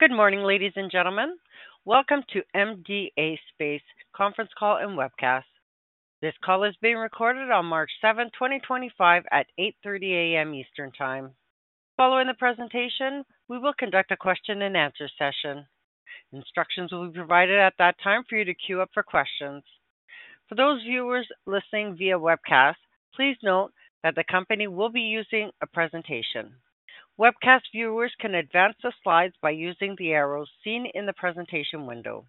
Good morning, ladies and gentlemen. Welcome to MDA Space conference call and Webcast. This call is being recorded on March 7th, 2025, at 8:30 A.M. Eastern Time. Following the presentation, we will conduct a question-and-answer session. Instructions will be provided at that time for you to queue up for questions. For those viewers listening via webcast, please note that the company will be using a presentation. Webcast viewers can advance the slides by using the arrows seen in the presentation window.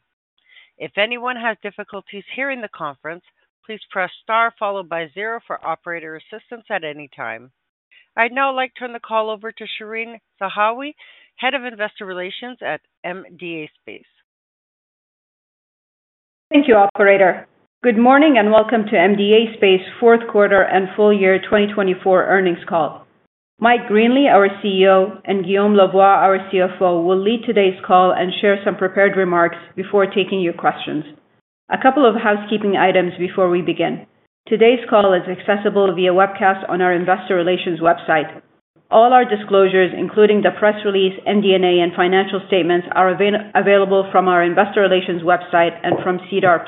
If anyone has difficulties hearing the conference, please press star followed by zero for operator assistance at any time. I'd now like to turn the call over to Shereen Zahawi, Head of Investor Relations at MDA Space. Thank you, Operator. Good morning and welcome to MDA Space Fourth Quarter and Full Year 2024 Earnings Call. Mike Greenley, our CEO, and Guillaume Lavoie, our CFO, will lead today's call and share some prepared remarks before taking your questions. A couple of housekeeping items before we begin. Today's call is accessible via webcast on our Investor Relations website. All our disclosures, including the press release, MD&A, and financial statements, are available from our Investor Relations website and from SEDAR+.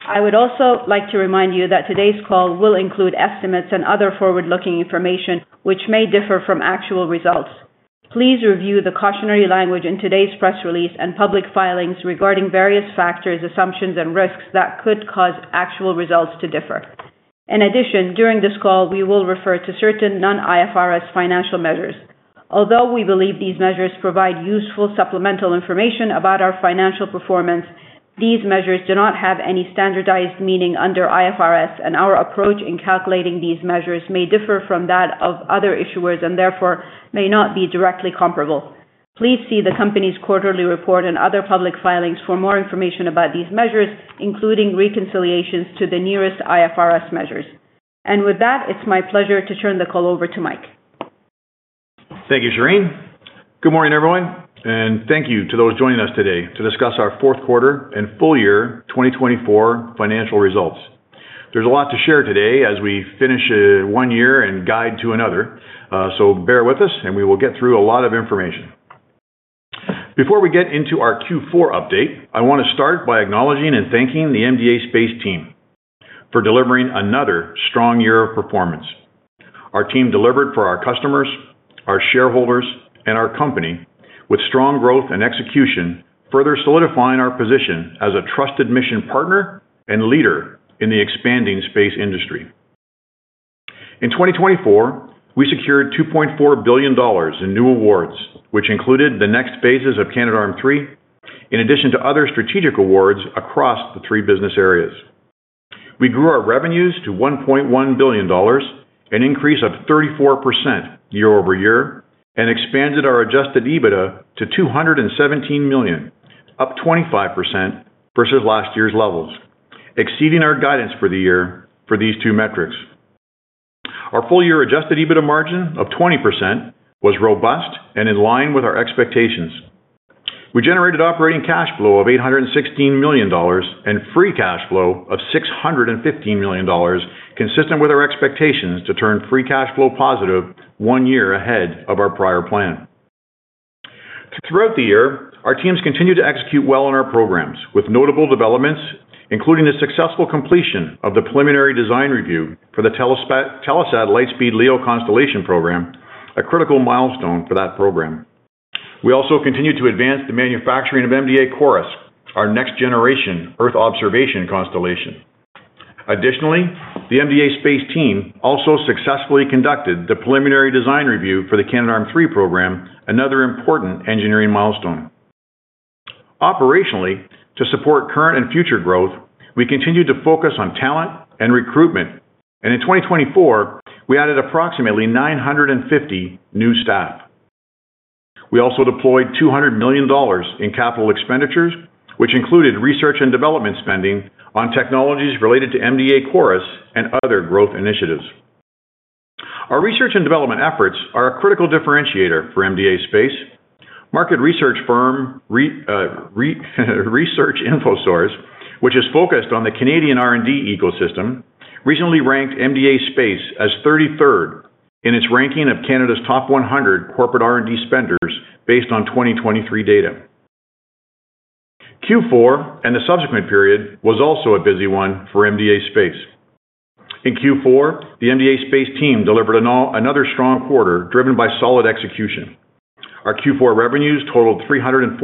I would also like to remind you that today's call will include estimates and other forward-looking information, which may differ from actual results. Please review the cautionary language in today's press release and public filings regarding various factors, assumptions, and risks that could cause actual results to differ. In addition, during this call, we will refer to certain non-IFRS financial measures. Although we believe these measures provide useful supplemental information about our financial performance, these measures do not have any standardized meaning under IFRS, and our approach in calculating these measures may differ from that of other issuers and therefore may not be directly comparable. Please see the company's quarterly report and other public filings for more information about these measures, including reconciliations to the nearest IFRS measures. It is my pleasure to turn the call over to Mike. Thank you, Shereen. Good morning, everyone, and thank you to those joining us today to discuss our fourth quarter and full year 2024 financial results. There is a lot to share today as we finish one year and guide to another, so bear with us, and we will get through a lot of information. Before we get into our Q4 update, I want to start by acknowledging and thanking the MDA Space team for delivering another strong year of performance. Our team delivered for our customers, our shareholders, and our company with strong growth and execution, further solidifying our position as a trusted mission partner and leader in the expanding space industry. In 2024, we secured 2.4 billion dollars in new awards, which included the next phases of Canadarm3, in addition to other strategic awards across the three business areas. We grew our revenues to 1.1 billion dollars, an increase of 34% year-over-year, and expanded our Adjusted EBITDA to 217 million, up 25% versus last year's levels, exceeding our guidance for the year for these two metrics. Our full-year Adjusted EBITDA margin of 20% was robust and in line with our expectations. We generated operating cash flow of 816 million dollars and free cash flow of 615 million dollars, consistent with our expectations to turn free cash flow positive one year ahead of our prior plan. Throughout the year, our teams continued to execute well on our programs, with notable developments, including the successful completion of the preliminary design review for the Telesat Lightspeed LEO constellation program, a critical milestone for that program. We also continued to advance the manufacturing of MDA CHORUS, our next-generation Earth observation constellation. Additionally, the MDA Space team also successfully conducted the preliminary design review for the Canadarm3 program, another important engineering milestone. Operationally, to support current and future growth, we continued to focus on talent and recruitment, and in 2024, we added approximately 950 new staff. We also deployed 200 million dollars in capital expenditures, which included research and development spending on technologies related to MDA CHORUS and other growth initiatives. Our research and development efforts are a critical differentiator for MDA Space. Market research firm Research Infosource, which is focused on the Canadian R&D ecosystem, recently ranked MDA Space as 33rd in its ranking of Canada's top 100 corporate R&D spenders based on 2023 data. Q4 and the subsequent period was also a busy one for MDA Space. In Q4, the MDA Space team delivered another strong quarter driven by solid execution. Our Q4 revenues totaled 347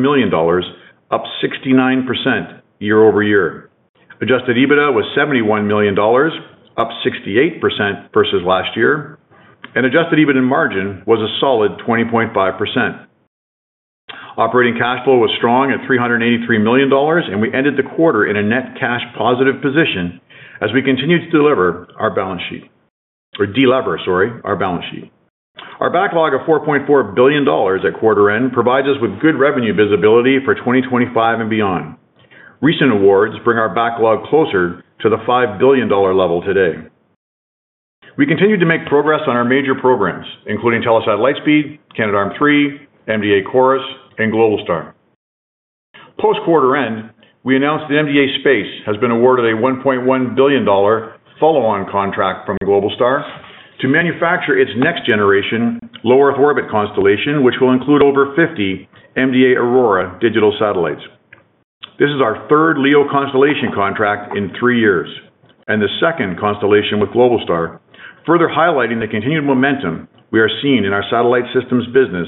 million dollars, up 69% year-over-year. Adjusted EBITDA was 71 million dollars, up 68% versus last year, and Adjusted EBITDA margin was a solid 20.5%. Operating cash flow was strong at 383 million dollars, and we ended the quarter in a net cash positive position as we continued to deliver our balance sheet, or deliver, sorry, our balance sheet. Our backlog of 4.4 billion dollars at quarter end provides us with good revenue visibility for 2025 and beyond. Recent awards bring our backlog closer to the 5 billion dollar level today. We continue to make progress on our major programs, including Telesat Lightspeed, Canadarm3, MDA CHORUS, and Globalstar. Post quarter end, we announced that MDA Space has been awarded a 1.1 billion dollar follow-on contract from Globalstar to manufacture its next-generation Low Earth Orbit constellation, which will include over 50 MDA Aurora digital satellites. This is our third LEO constellation contract in three years and the second constellation with Globalstar, further highlighting the continued momentum we are seeing in our Satellite Systems business,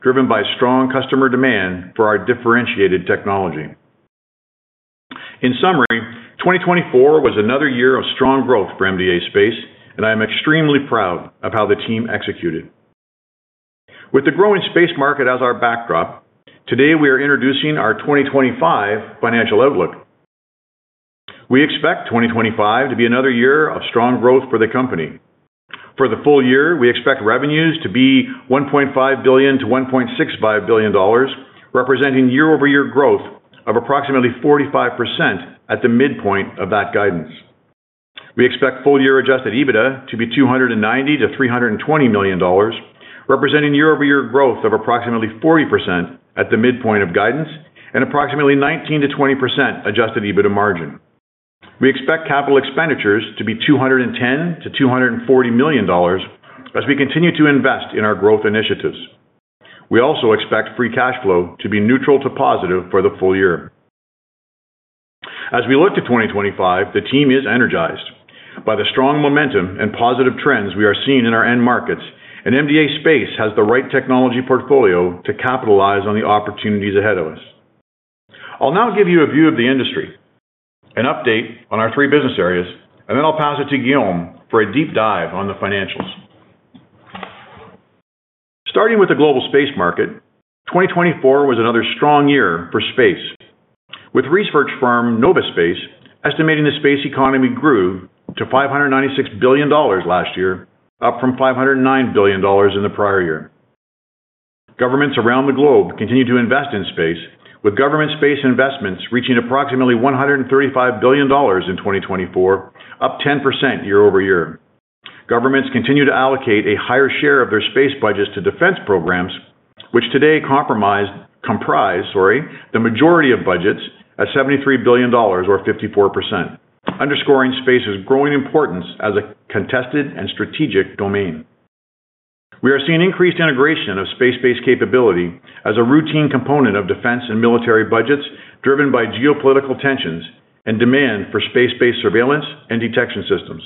driven by strong customer demand for our differentiated technology. In summary, 2024 was another year of strong growth for MDA Space, and I am extremely proud of how the team executed. With the growing space market as our backdrop, today we are introducing our 2025 financial outlook. We expect 2025 to be another year of strong growth for the company. For the full year, we expect revenues to be 1.5 billion-1.65 billion dollars, representing year-over-year growth of approximately 45% at the midpoint of that guidance. We expect full-year Adjusted EBITDA to be 290 million-320 million dollars, representing year-over-year growth of approximately 40% at the midpoint of guidance and approximately 19%-20% Adjusted EBITDA margin. We expect capital expenditures to be 210 million-240 million dollars as we continue to invest in our growth initiatives. We also expect free cash flow to be neutral to positive for the full year. As we look to 2025, the team is energized by the strong momentum and positive trends we are seeing in our end markets, and MDA Space has the right technology portfolio to capitalize on the opportunities ahead of us. I'll now give you a view of the industry, an update on our three business areas, and then I'll pass it to Guillaume for a deep dive on the financials. Starting with the global space market, 2024 was another strong year for space, with research firm Nova Space estimating the space economy grew to $596 billion last year, up from $509 billion in the prior year. Governments around the globe continue to invest in space, with government space investments reaching approximately $135 billion in 2024, up 10% year over year. Governments continue to allocate a higher share of their space budgets to defense programs, which today comprise the majority of budgets at $73 billion, or 54%, underscoring space's growing importance as a contested and strategic domain. We are seeing increased integration of space-based capability as a routine component of defense and military budgets, driven by geopolitical tensions and demand for space-based surveillance and detection systems.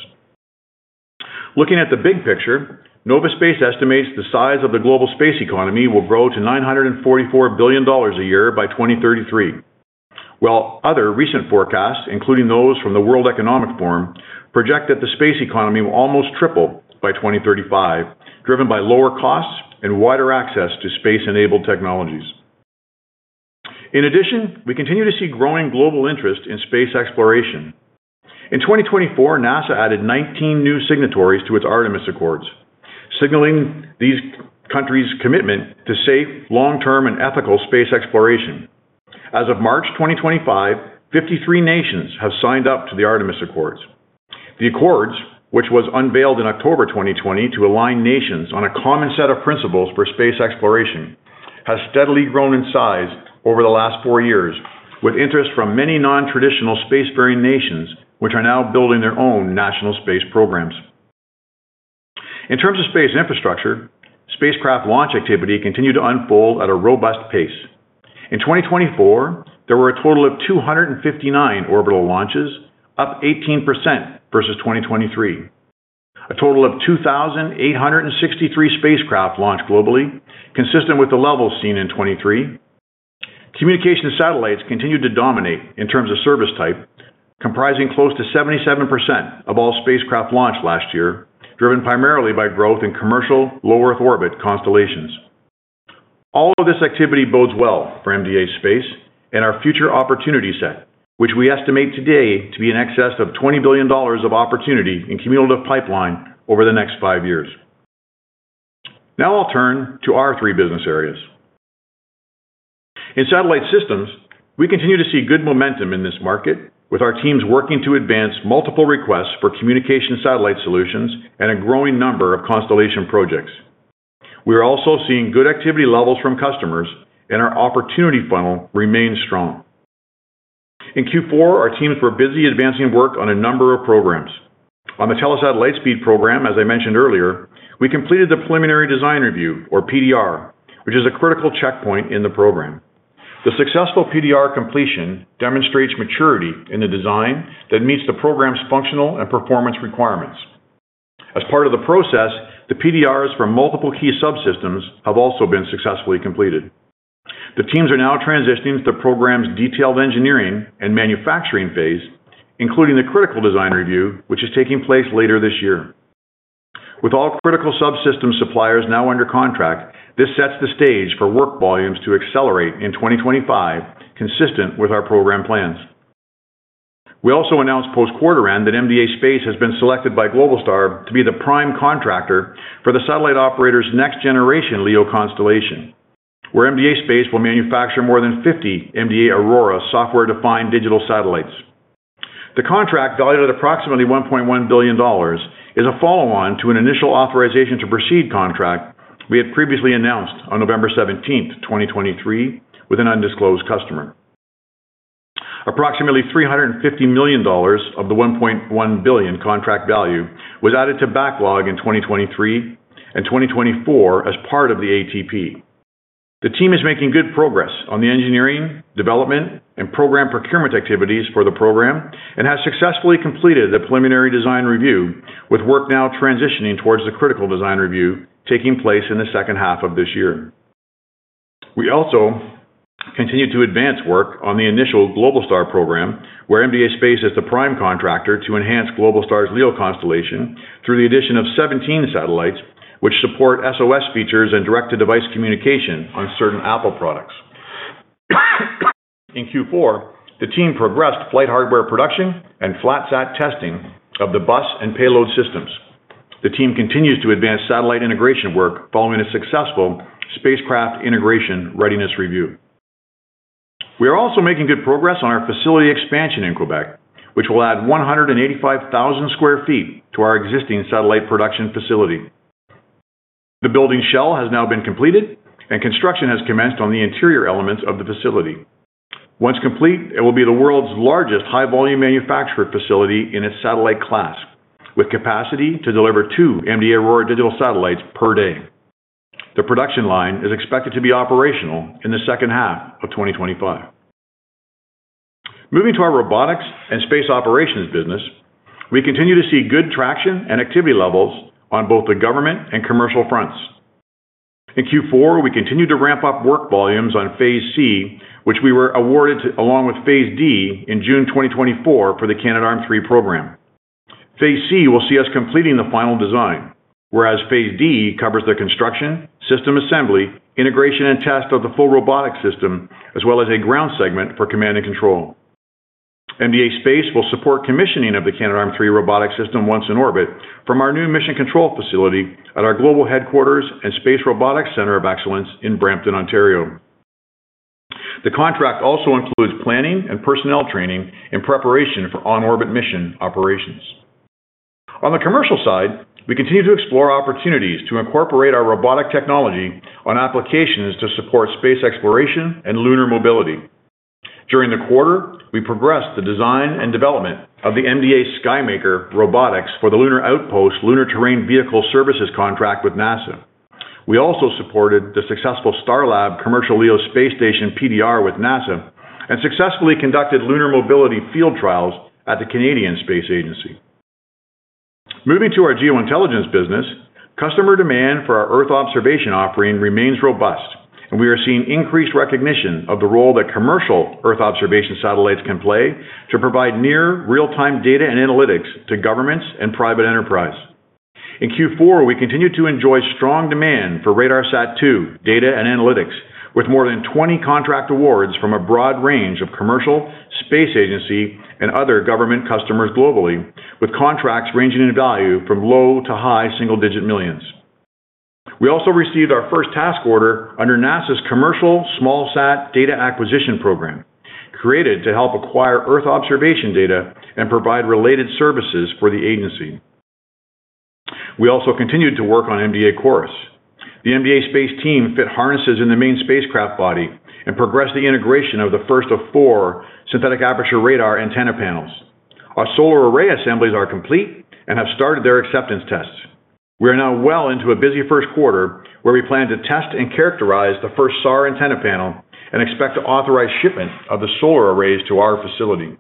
Looking at the big picture, Nova Space estimates the size of the global space economy will grow to $944 billion a year by 2033, while other recent forecasts, including those from the World Economic Forum, project that the space economy will almost triple by 2035, driven by lower costs and wider access to space-enabled technologies. In addition, we continue to see growing global interest in space exploration. In 2024, NASA added 19 new signatories to its Artemis Accords, signaling these countries' commitment to safe, long-term, and ethical space exploration. As of March 2025, 53 nations have signed up to the Artemis Accords. The accords, which was unveiled in October 2020 to align nations on a common set of principles for space exploration, have steadily grown in size over the last four years, with interest from many non-traditional spacefaring nations, which are now building their own national space programs. In terms of space infrastructure, spacecraft launch activity continued to unfold at a robust pace. In 2024, there were a total of 259 orbital launches, up 18% versus 2023. A total of 2,863 spacecraft launched globally, consistent with the levels seen in 2023. Communication satellites continued to dominate in terms of service type, comprising close to 77% of all spacecraft launched last year, driven primarily by growth in commercial low Earth orbit constellations. All of this activity bodes well for MDA Space and our future opportunity set, which we estimate today to be in excess of 20 billion dollars of opportunity in cumulative pipeline over the next five years. Now I'll turn to our three business areas. In Satellite Systems, we continue to see good momentum in this market, with our teams working to advance multiple requests for communication satellite solutions and a growing number of constellation projects. We are also seeing good activity levels from customers, and our opportunity funnel remains strong. In Q4, our teams were busy advancing work on a number of programs. On the Telesat Lightspeed program, as I mentioned earlier, we completed the preliminary design review, or PDR, which is a critical checkpoint in the program. The successful PDR completion demonstrates maturity in the design that meets the program's functional and performance requirements. As part of the process, the PDRs for multiple key subsystems have also been successfully completed. The teams are now transitioning to the program's detailed engineering and manufacturing phase, including the critical design review, which is taking place later this year. With all critical subsystem suppliers now under contract, this sets the stage for work volumes to accelerate in 2025, consistent with our program plans. We also announced post quarter end that MDA Space has been selected by Globalstar to be the prime contractor for the satellite operator's next-generation LEO constellation, where MDA Space will manufacture more than 50 MDA Aurora software-defined digital satellites. The contract, valued at approximately $1.1 billion, is a follow-on to an initial authorization to proceed contract we had previously announced on November 17th, 2023, with an undisclosed customer. Approximately $350 million of the $1.1 billion contract value was added to backlog in 2023 and 2024 as part of the ATP. The team is making good progress on the engineering, development, and program procurement activities for the program and has successfully completed the preliminary design review, with work now transitioning towards the critical design review taking place in the second half of this year. We also continue to advance work on the initial Globalstar program, where MDA Space is the prime contractor to enhance Globalstar's LEO constellation through the addition of 17 satellites, which support SOS features and direct-to-device communication on certain Apple products. In Q4, the team progressed flight hardware production and flat-sat testing of the bus and payload systems. The team continues to advance satellite integration work following a successful spacecraft integration readiness review. We are also making good progress on our facility expansion in Quebec, which will add 185,000 sq ft to our existing satellite production facility. The building shell has now been completed, and construction has commenced on the interior elements of the facility. Once complete, it will be the world's largest high-volume manufacturer facility in its satellite class, with capacity to deliver two MDA Aurora digital satellites per day. The production line is expected to be operational in the second half of 2025. Moving to our Robotics and Space Operations business, we continue to see good traction and activity levels on both the government and commercial fronts. In Q4, we continue to ramp up work volumes on phase C, which we were awarded along with phase D in June 2024 for the Canadarm3 program. Phase C will see us completing the final design, whereas phase D covers the construction, system assembly, integration, and test of the full robotic system, as well as a ground segment for command and control. MDA Space will support commissioning of the Canadarm3 robotic system once in orbit from our new mission control facility at our global headquarters and Space Robotics Center of Excellence in Brampton, Ontario. The contract also includes planning and personnel training in preparation for on-orbit mission operations. On the commercial side, we continue to explore opportunities to incorporate our robotic technology on applications to support space exploration and lunar mobility. During the quarter, we progressed the design and development of the MDA SkyMaker robotics for the Lunar Outpost Lunar Terrain Vehicle Services contract with NASA. We also supported the successful Starlab commercial LEO space station PDR with NASA and successfully conducted lunar mobility field trials at the Canadian Space Agency. Moving to our geointelligence business, customer demand for our Earth observation offering remains robust, and we are seeing increased recognition of the role that commercial Earth observation satellites can play to provide near real-time data and analytics to governments and private enterprise. In Q4, we continue to enjoy strong demand for RadarSat-2 data and analytics, with more than 20 contract awards from a broad range of commercial, space agency, and other government customers globally, with contracts ranging in value from low to high single-digit millions. We also received our first task order under NASA's commercial small sat data acquisition program, created to help acquire Earth observation data and provide related services for the agency. We also continued to work on MDA CHORUS. The MDA Space team fit harnesses in the main spacecraft body and progressed the integration of the first of four synthetic aperture radar antenna panels. Our solar array assemblies are complete and have started their acceptance tests. We are now well into a busy first quarter, where we plan to test and characterize the first SAR antenna panel and expect to authorize shipment of the solar arrays to our facility.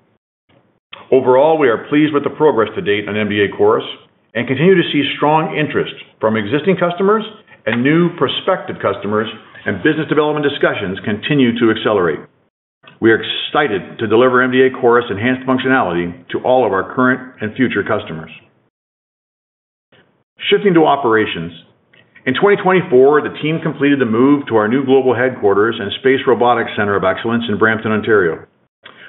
Overall, we are pleased with the progress to date on MDA CHORUS and continue to see strong interest from existing customers and new prospective customers, and business development discussions continue to accelerate. We are excited to deliver MDA CHORUS enhanced functionality to all of our current and future customers. Shifting to operations, in 2024, the team completed the move to our new global headquarters and Space Robotics Center of Excellence in Brampton, Ontario.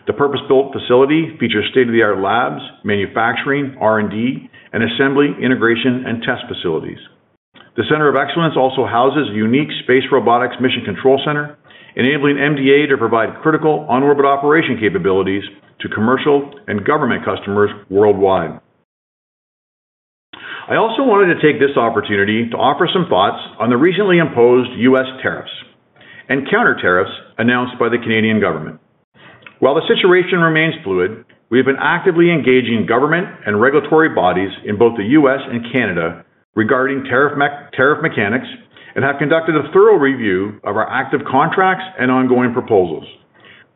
The purpose-built facility features state-of-the-art labs, manufacturing, R&D, and assembly, integration, and test facilities. The Center of Excellence also houses a unique space robotics mission control center, enabling MDA to provide critical on-orbit operation capabilities to commercial and government customers worldwide. I also wanted to take this opportunity to offer some thoughts on the recently imposed U.S. tariffs and countertariffs announced by the Canadian government. While the situation remains fluid, we have been actively engaging government and regulatory bodies in both the U.S. and Canada regarding tariff mechanics and have conducted a thorough review of our active contracts and ongoing proposals.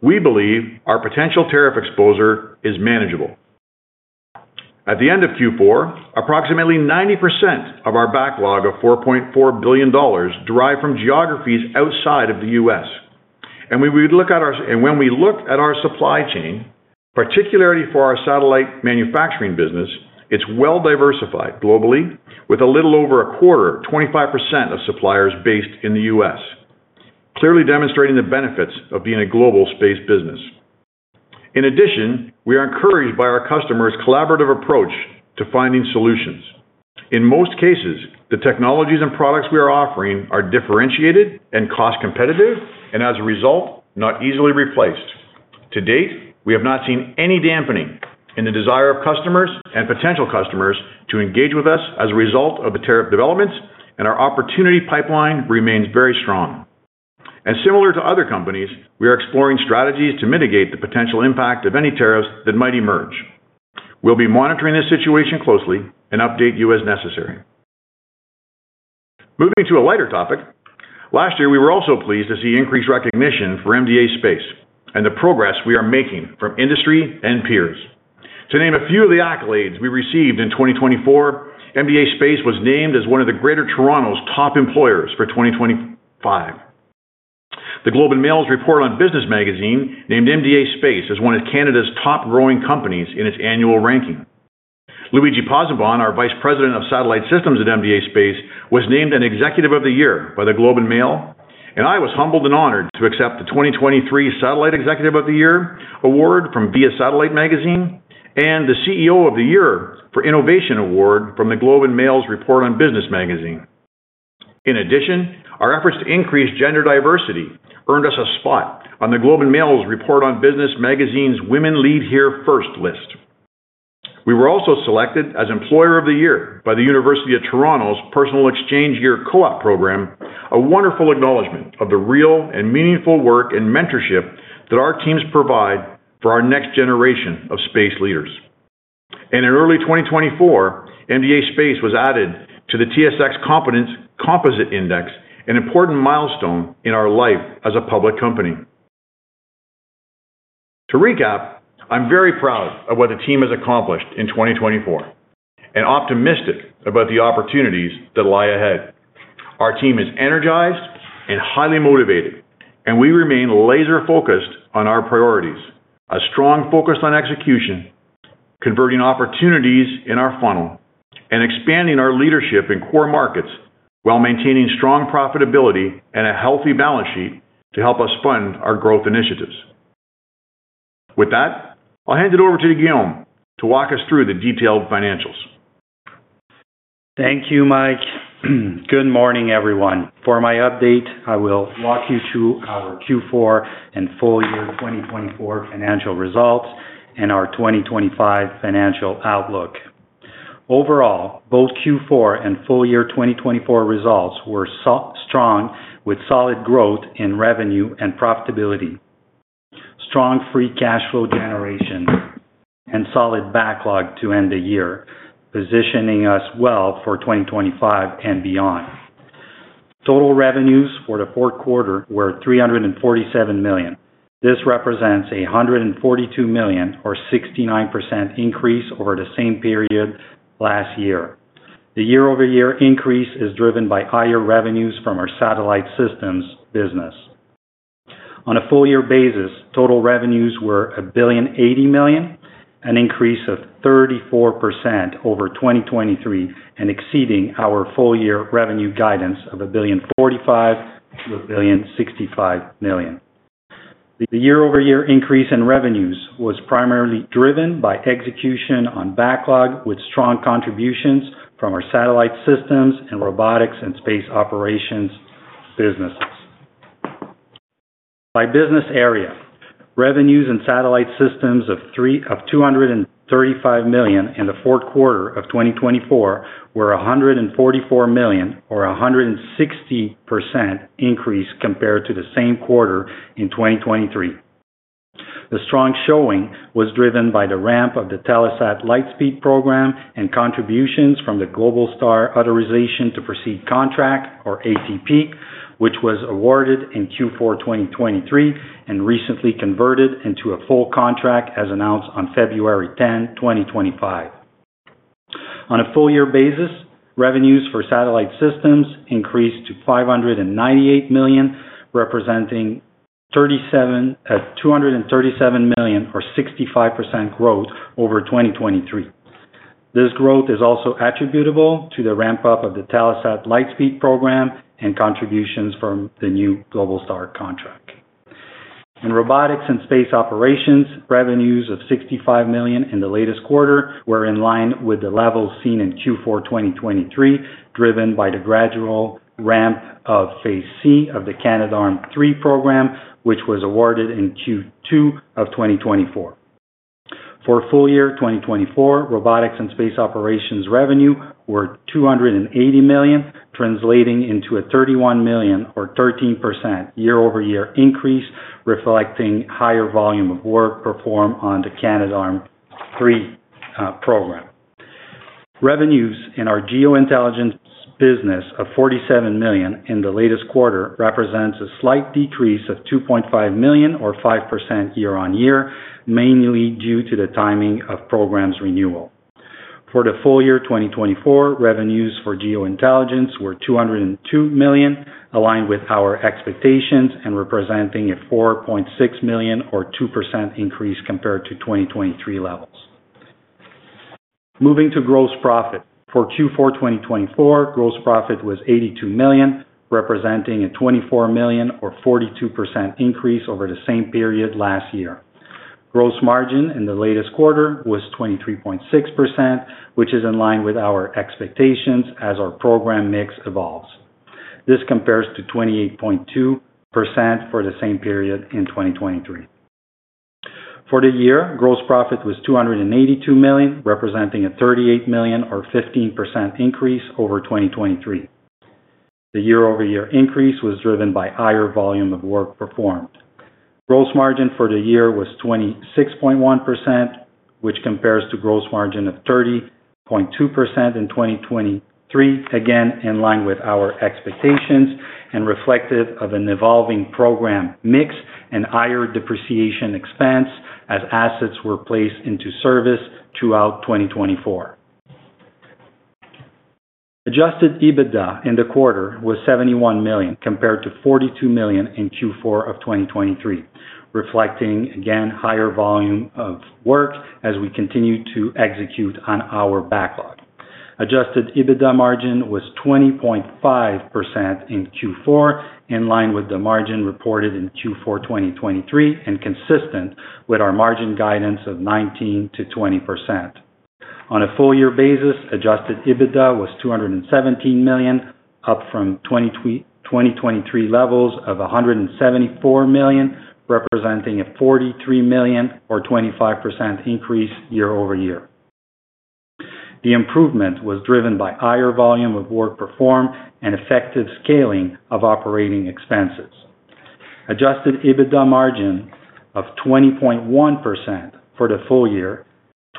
We believe our potential tariff exposure is manageable. At the end of Q4, approximately 90% of our backlog of 4.4 billion dollars derived from geographies outside of the U.S. When we look at our supply chain, particularly for our satellite manufacturing business, it is well-diversified globally, with a little over a quarter, 25% of suppliers based in the U.S., clearly demonstrating the benefits of being a global space business. In addition, we are encouraged by our customers' collaborative approach to finding solutions. In most cases, the technologies and products we are offering are differentiated and cost-competitive, and as a result, not easily replaced. To date, we have not seen any dampening in the desire of customers and potential customers to engage with us as a result of the tariff developments, and our opportunity pipeline remains very strong. Similar to other companies, we are exploring strategies to mitigate the potential impact of any tariffs that might emerge. We'll be monitoring this situation closely and update you as necessary. Moving to a lighter topic, last year, we were also pleased to see increased recognition for MDA Space and the progress we are making from industry and peers. To name a few of the accolades we received in 2024, MDA Space was named as one of Greater Toronto's top employers for 2025. The Globe and Mail's Report on Business Magazine named MDA Space as one of Canada's top-growing companies in its annual ranking. Luigi Pozzebon, our Vice President of Satellite Systems at MDA Space, was named an Executive of the Year by the Globe and Mail, and I was humbled and honored to accept the 2023 Satellite Executive of the Year award from Via Satellite Magazine and the CEO of the Year for Innovation Award from the Globe and Mail's Report on Business Magazine. In addition, our efforts to increase gender diversity earned us a spot on The Globe and Mail's Report on Business Magazine's Women Lead Here First list. We were also selected as Employer of the Year by the University of Toronto's Personal Exchange Year Co-op Program, a wonderful acknowledgment of the real and meaningful work and mentorship that our teams provide for our next generation of space leaders. In early 2024, MDA Space was added to the TSX Composite Index, an important milestone in our life as a public company. To recap, I'm very proud of what the team has accomplished in 2024 and optimistic about the opportunities that lie ahead. Our team is energized and highly motivated, and we remain laser-focused on our priorities, a strong focus on execution, converting opportunities in our funnel, and expanding our leadership in core markets while maintaining strong profitability and a healthy balance sheet to help us fund our growth initiatives. With that, I'll hand it over to Guillaume to walk us through the detailed financials. Thank you, Mike. Good morning, everyone. For my update, I will walk you through our Q4 and full year 2024 financial results and our 2025 financial outlook. Overall, both Q4 and full year 2024 results were strong, with solid growth in revenue and profitability, strong free cash flow generation, and solid backlog to end the year, positioning us well for 2025 and beyond. Total revenues for the fourth quarter were 347 million. This represents a 142 million, or 69% increase, over the same period last year. The year-over-year increase is driven by higher revenues from our Satellite Systems business. On a full year basis, total revenues were 1,080 million, an increase of 34% over 2023, and exceeding our full year revenue guidance of 1,045-1,065 million. The year-over-year increase in revenues was primarily driven by execution on backlog, with strong contributions from our Satellite Systems and Robotics and Space Operations businesses. By business area, revenues in Satellite Systems of 235 million in the fourth quarter of 2024 were 144 million, or a 160% increase compared to the same quarter in 2023. The strong showing was driven by the ramp of the Telesat Lightspeed program and contributions from the Globalstar Authorization to Proceed contract, or ATP, which was awarded in Q4 2023 and recently converted into a full contract as announced on February 10, 2025. On a full year basis, revenues for Satellite Systems increased to 598 million, representing 237 million, or 65% growth over 2023. This growth is also attributable to the ramp-up of the Telesat Lightspeed program and contributions from the new Globalstar contract. In Robotics and Space Operations, revenues of 65 million in the latest quarter were in line with the levels seen in Q4 2023, driven by the gradual ramp of phase C of the Canadarm3 program, which was awarded in Q2 of 2024. For full year 2024, Robotics and Space Operations revenue were 280 million, translating into a 31 million, or 13% year-over-year increase, reflecting higher volume of work performed on the Canadarm3 program. Revenues in our Geointelligence business of 47 million in the latest quarter represent a slight decrease of 2.5 million, or 5% year-on-year, mainly due to the timing of programs renewal. For the full year 2024, revenues for geointelligence were 202 million, aligned with our expectations and representing a 4.6 million, or 2% increase compared to 2023 levels. Moving to gross profit. For Q4 2024, gross profit was 82 million, representing a 24 million, or 42% increase over the same period last year. Gross margin in the latest quarter was 23.6%, which is in line with our expectations as our program mix evolves. This compares to 28.2% for the same period in 2023. For the year, gross profit was 282 million, representing a 38 million, or 15% increase over 2023. The year-over-year increase was driven by higher volume of work performed. Gross margin for the year was 26.1%, which compares to gross margin of 30.2% in 2023, again in line with our expectations and reflective of an evolving program mix and higher depreciation expense as assets were placed into service throughout 2024. Adjusted EBITDA in the quarter was 71 million, compared to 42 million in Q4 of 2023, reflecting again higher volume of work as we continue to execute on our backlog. Adjusted EBITDA margin was 20.5% in Q4, in line with the margin reported in Q4 2023 and consistent with our margin guidance of 19%-20%. On a full year basis, Adjusted EBITDA was 217 million, up from 2023 levels of 174 million, representing a 43 million, or 25% increase year-over-year. The improvement was driven by higher volume of work performed and effective scaling of operating expenses. Adjusted EBITDA margin of 20.1% for the full year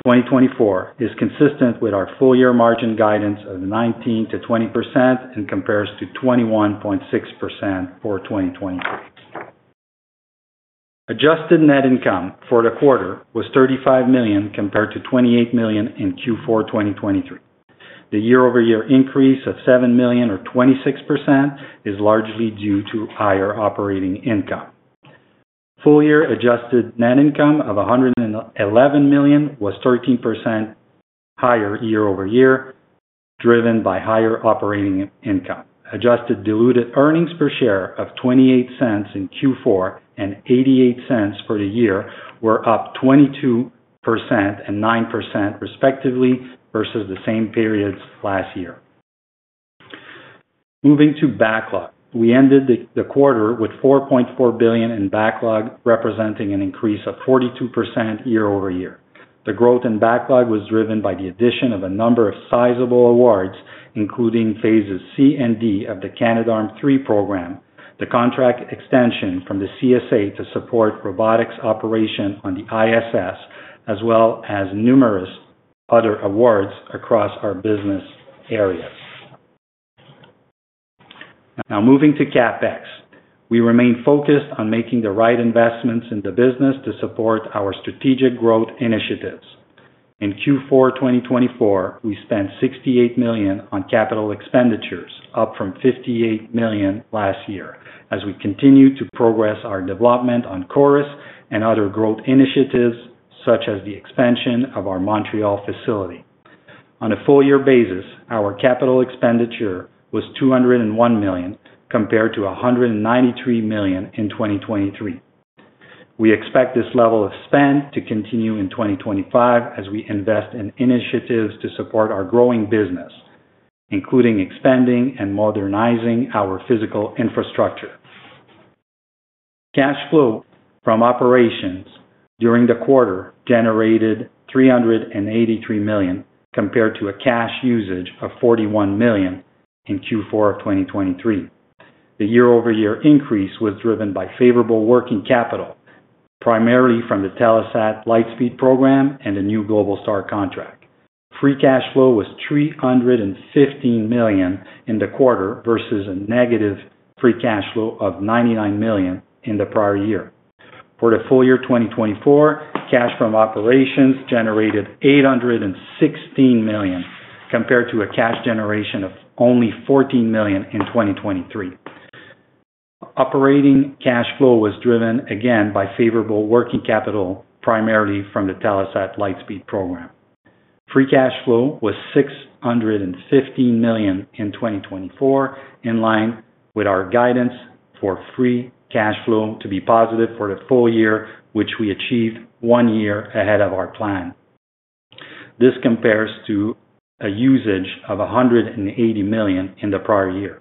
2024 is consistent with our full year margin guidance of 19%-20% and compares to 21.6% for 2023. Adjusted net income for the quarter was CAD 35 million compared to CAD 28 million in Q4 2023. The year-over-year increase of CAD 7 million, or 26%, is largely due to higher operating income. Full year Adjusted net income of CAD 111 million was 13% higher year-over-year, driven by higher operating income. Adjusted diluted earnings per share of 0.28 in Q4 and 0.88 for the year were up 22% and 9%, respectively, versus the same periods last year. Moving to backlog. We ended the quarter with 4.4 billion in backlog, representing an increase of 42% year-over-year. The growth in backlog was driven by the addition of a number of sizable awards, including phases C and D of the Canadarm3 program, the contract extension from the Canadian Space Agency to support robotics operation on the ISS, as well as numerous other awards across our business areas. Now, moving to CapEx. We remain focused on making the right investments in the business to support our strategic growth initiatives. In Q4 2024, we spent 68 million on capital expenditures, up from 58 million last year, as we continue to progress our development on CHORUS and other growth initiatives, such as the expansion of our Montreal facility. On a full year basis, our capital expenditure was 201 million, compared to 193 million in 2023. We expect this level of spend to continue in 2025 as we invest in initiatives to support our growing business, including expanding and modernizing our physical infrastructure. Cash flow from operations during the quarter generated 383 million, compared to a cash usage of 41 million in Q4 of 2023. The year-over-year increase was driven by favorable working capital, primarily from the Telesat Lightspeed program and a new Globalstar contract. Free cash flow was 315 million in the quarter, versus a negative free cash flow of 99 million in the prior year. For the full year 2024, cash from operations generated 816 million, compared to a cash generation of only 14 million in 2023. Operating cash flow was driven again by favorable working capital, primarily from the Telesat Lightspeed program. Free cash flow was 615 million in 2024, in line with our guidance for free cash flow to be positive for the full year, which we achieved one year ahead of our plan. This compares to a usage of 180 million in the prior year.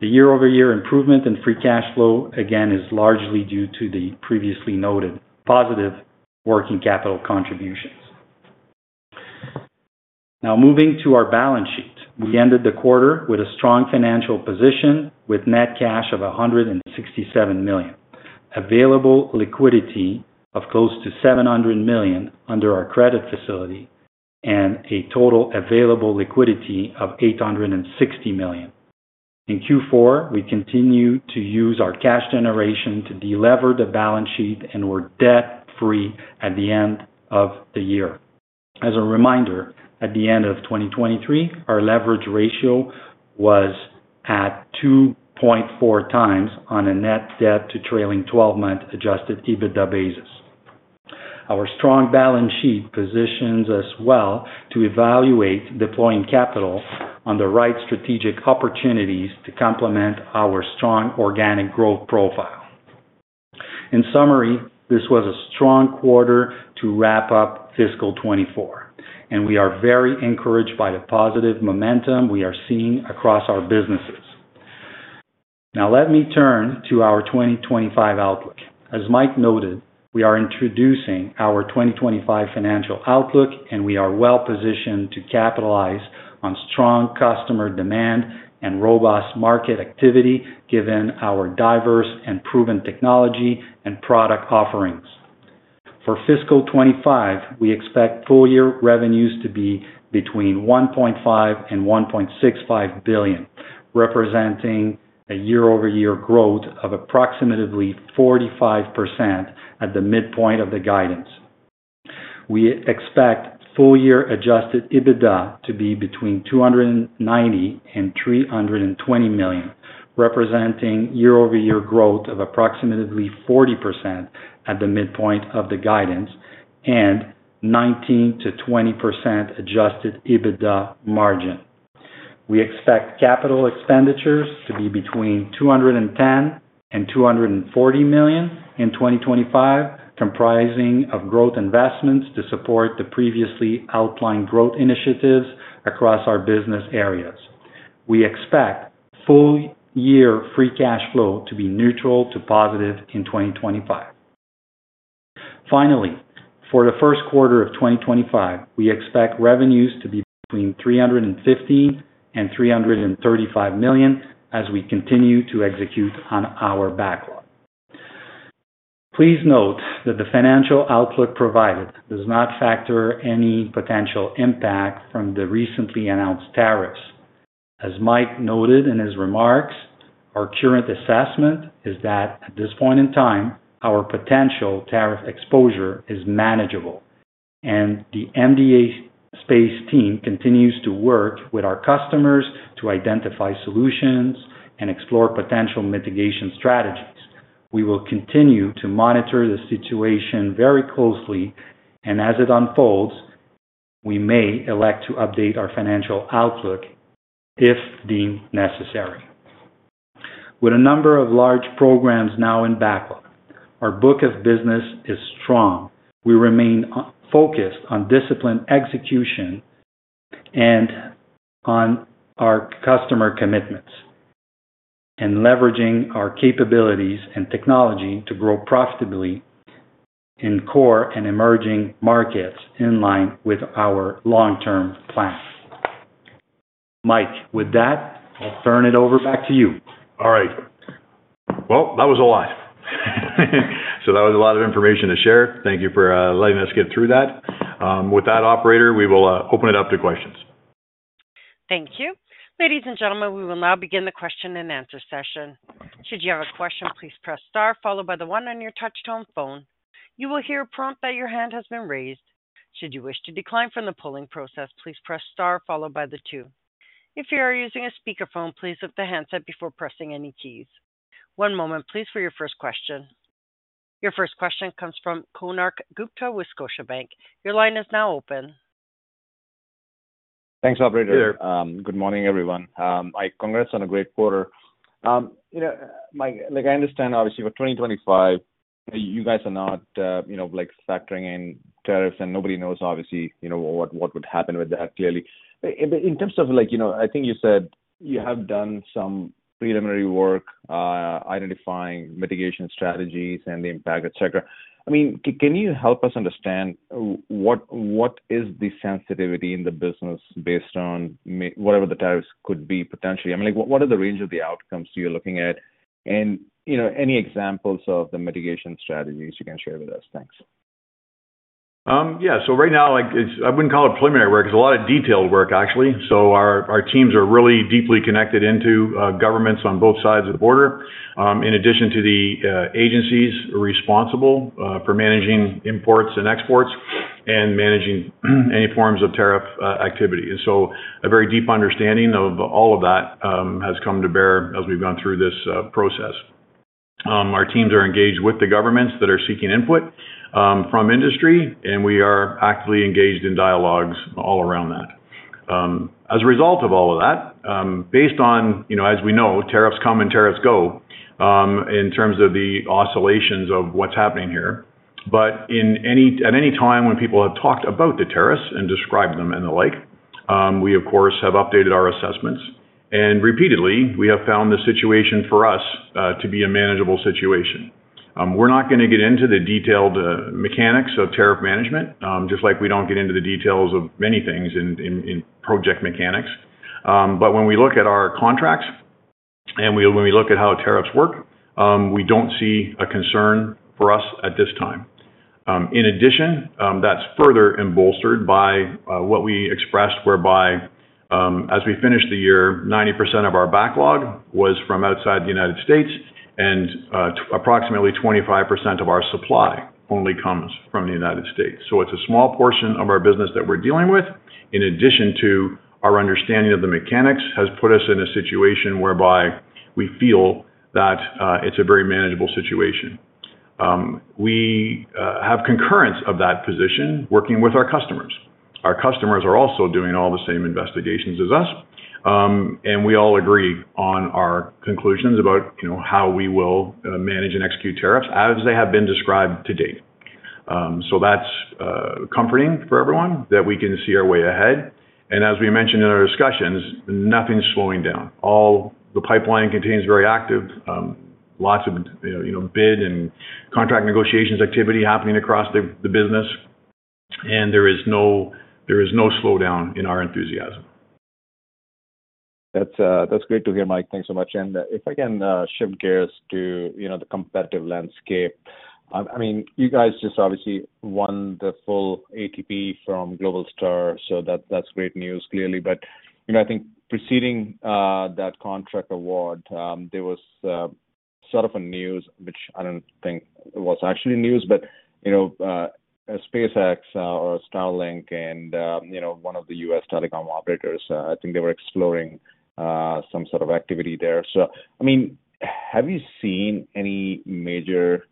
The year-over-year improvement in free cash flow, again, is largely due to the previously noted positive working capital contributions. Now, moving to our balance sheet. We ended the quarter with a strong financial position, with net cash of 167 million, available liquidity of close to 700 million under our credit facility, and a total available liquidity of 860 million. In Q4, we continue to use our cash generation to delever the balance sheet and were debt-free at the end of the year. As a reminder, at the end of 2023, our leverage ratio was at 2.4 times on a net debt to trailing 12-month Adjusted EBITDA basis. Our strong balance sheet positions us well to evaluate deploying capital on the right strategic opportunities to complement our strong organic growth profile. In summary, this was a strong quarter to wrap up fiscal 2024, and we are very encouraged by the positive momentum we are seeing across our businesses. Now, let me turn to our 2025 outlook. As Mike noted, we are introducing our 2025 financial outlook, and we are well-positioned to capitalize on strong customer demand and robust market activity, given our diverse and proven technology and product offerings. For fiscal 2025, we expect full year revenues to be between 1.5 billion and 1.65 billion, representing a year-over-year growth of approximately 45% at the midpoint of the guidance. We expect full year Adjusted EBITDA to be between 290 million and 320 million, representing year-over-year growth of approximately 40% at the midpoint of the guidance, and 19%-20% Adjusted EBITDA margin. We expect capital expenditures to be between 210 million and 240 million in 2025, comprising of growth investments to support the previously outlined growth initiatives across our business areas. We expect full year free cash flow to be neutral to positive in 2025. Finally, for the first quarter of 2025, we expect revenues to be between 315 million and 335 million as we continue to execute on our backlog. Please note that the financial outlook provided does not factor any potential impact from the recently announced tariffs. As Mike noted in his remarks, our current assessment is that at this point in time, our potential tariff exposure is manageable, and the MDA Space team continues to work with our customers to identify solutions and explore potential mitigation strategies. We will continue to monitor the situation very closely, and as it unfolds, we may elect to update our financial outlook if deemed necessary. With a number of large programs now in backlog, our book of business is strong. We remain focused on discipline execution and on our customer commitments, and leveraging our capabilities and technology to grow profitably in core and emerging markets in line with our long-term plan. Mike, with that, I'll turn it over back to you. All right. That was a lot. That was a lot of information to share. Thank you for letting us get through that. With that, Operator, we will open it up to questions. Thank you. Ladies and gentlemen, we will now begin the question and answer session. Should you have a question, please press Star, followed by the one on your touch-tone phone. You will hear a prompt that your hand has been raised. Should you wish to decline from the polling process, please press star, followed by the two. If you are using a speakerphone, please lift the handset before pressing any keys. One moment, please, for your first question. Your first question comes from Konark Gupta, Scotiabank. Your line is now open. Thanks, Operator. Good morning, everyone. Mike, congrats on a great quarter. You know, Mike, like I understand, obviously, for 2025, you guys are not, you know, like factoring in tariffs, and nobody knows, obviously, you know, what would happen with that, clearly. In terms of, like, you know, I think you said you have done some preliminary work identifying mitigation strategies and the impact, etc. I mean, can you help us understand what is the sensitivity in the business based on whatever the tariffs could be potentially? I mean, like, what are the range of the outcomes you're looking at? You know, any examples of the mitigation strategies you can share with us? Thanks. Yeah. Right now, like, I wouldn't call it preliminary work because a lot of detailed work, actually. Our teams are really deeply connected into governments on both sides of the border, in addition to the agencies responsible for managing imports and exports and managing any forms of tariff activity. A very deep understanding of all of that has come to bear as we've gone through this process. Our teams are engaged with the governments that are seeking input from industry, and we are actively engaged in dialogues all around that. As a result of all of that, based on, you know, as we know, tariffs come and tariffs go in terms of the oscillations of what's happening here. At any time when people have talked about the tariffs and described them and the like, we, of course, have updated our assessments. We have found the situation for us to be a manageable situation. We're not going to get into the detailed mechanics of tariff management, just like we don't get into the details of many things in project mechanics. When we look at our contracts and when we look at how tariffs work, we don't see a concern for us at this time. In addition, that's further embolstered by what we expressed, whereby as we finished the year, 90% of our backlog was from outside the U.S., and approximately 25% of our supply only comes from the U.S. It's a small portion of our business that we're dealing with, in addition to our understanding of the mechanics has put us in a situation whereby we feel that it's a very manageable situation. We have concurrence of that position working with our customers. Our customers are also doing all the same investigations as us, and we all agree on our conclusions about, you know, how we will manage and execute tariffs as they have been described to date. That is comforting for everyone that we can see our way ahead. As we mentioned in our discussions, nothing's slowing down. All the pipeline contains very active, lots of, you know, bid and contract negotiations activity happening across the business, and there is no slowdown in our enthusiasm. That's great to hear, Mike. Thanks so much. If I can shift gears to, you know, the competitive landscape, I mean, you guys just obviously won the full ATP from Globalstar, so that's great news, clearly. You know, I think preceding that contract award, there was sort of a news, which I don't think was actually news, but, you know, SpaceX or Starlink and, you know, one of the U.S. telecom operators, I think they were exploring some sort of activity there. I mean, have you seen any major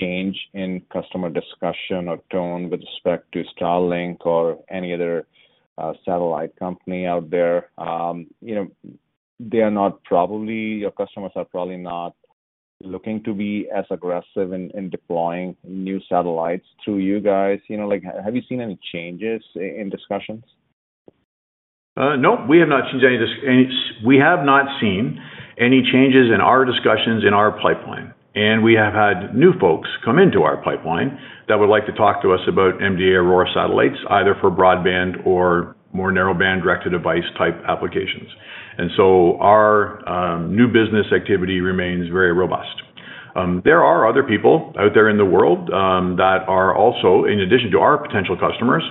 change in customer discussion or tone with respect to Starlink or any other satellite company out there? You know, they are not probably, your customers are probably not looking to be as aggressive in deploying new satellites through you guys. You know, like, have you seen any changes in discussions? No, we have not seen any changes in our discussions in our pipeline. We have had new folks come into our pipeline that would like to talk to us about MDA Aurora satellites, either for broadband or more narrowband directed device type applications. Our new business activity remains very robust. There are other people out there in the world that are also, in addition to our potential customers,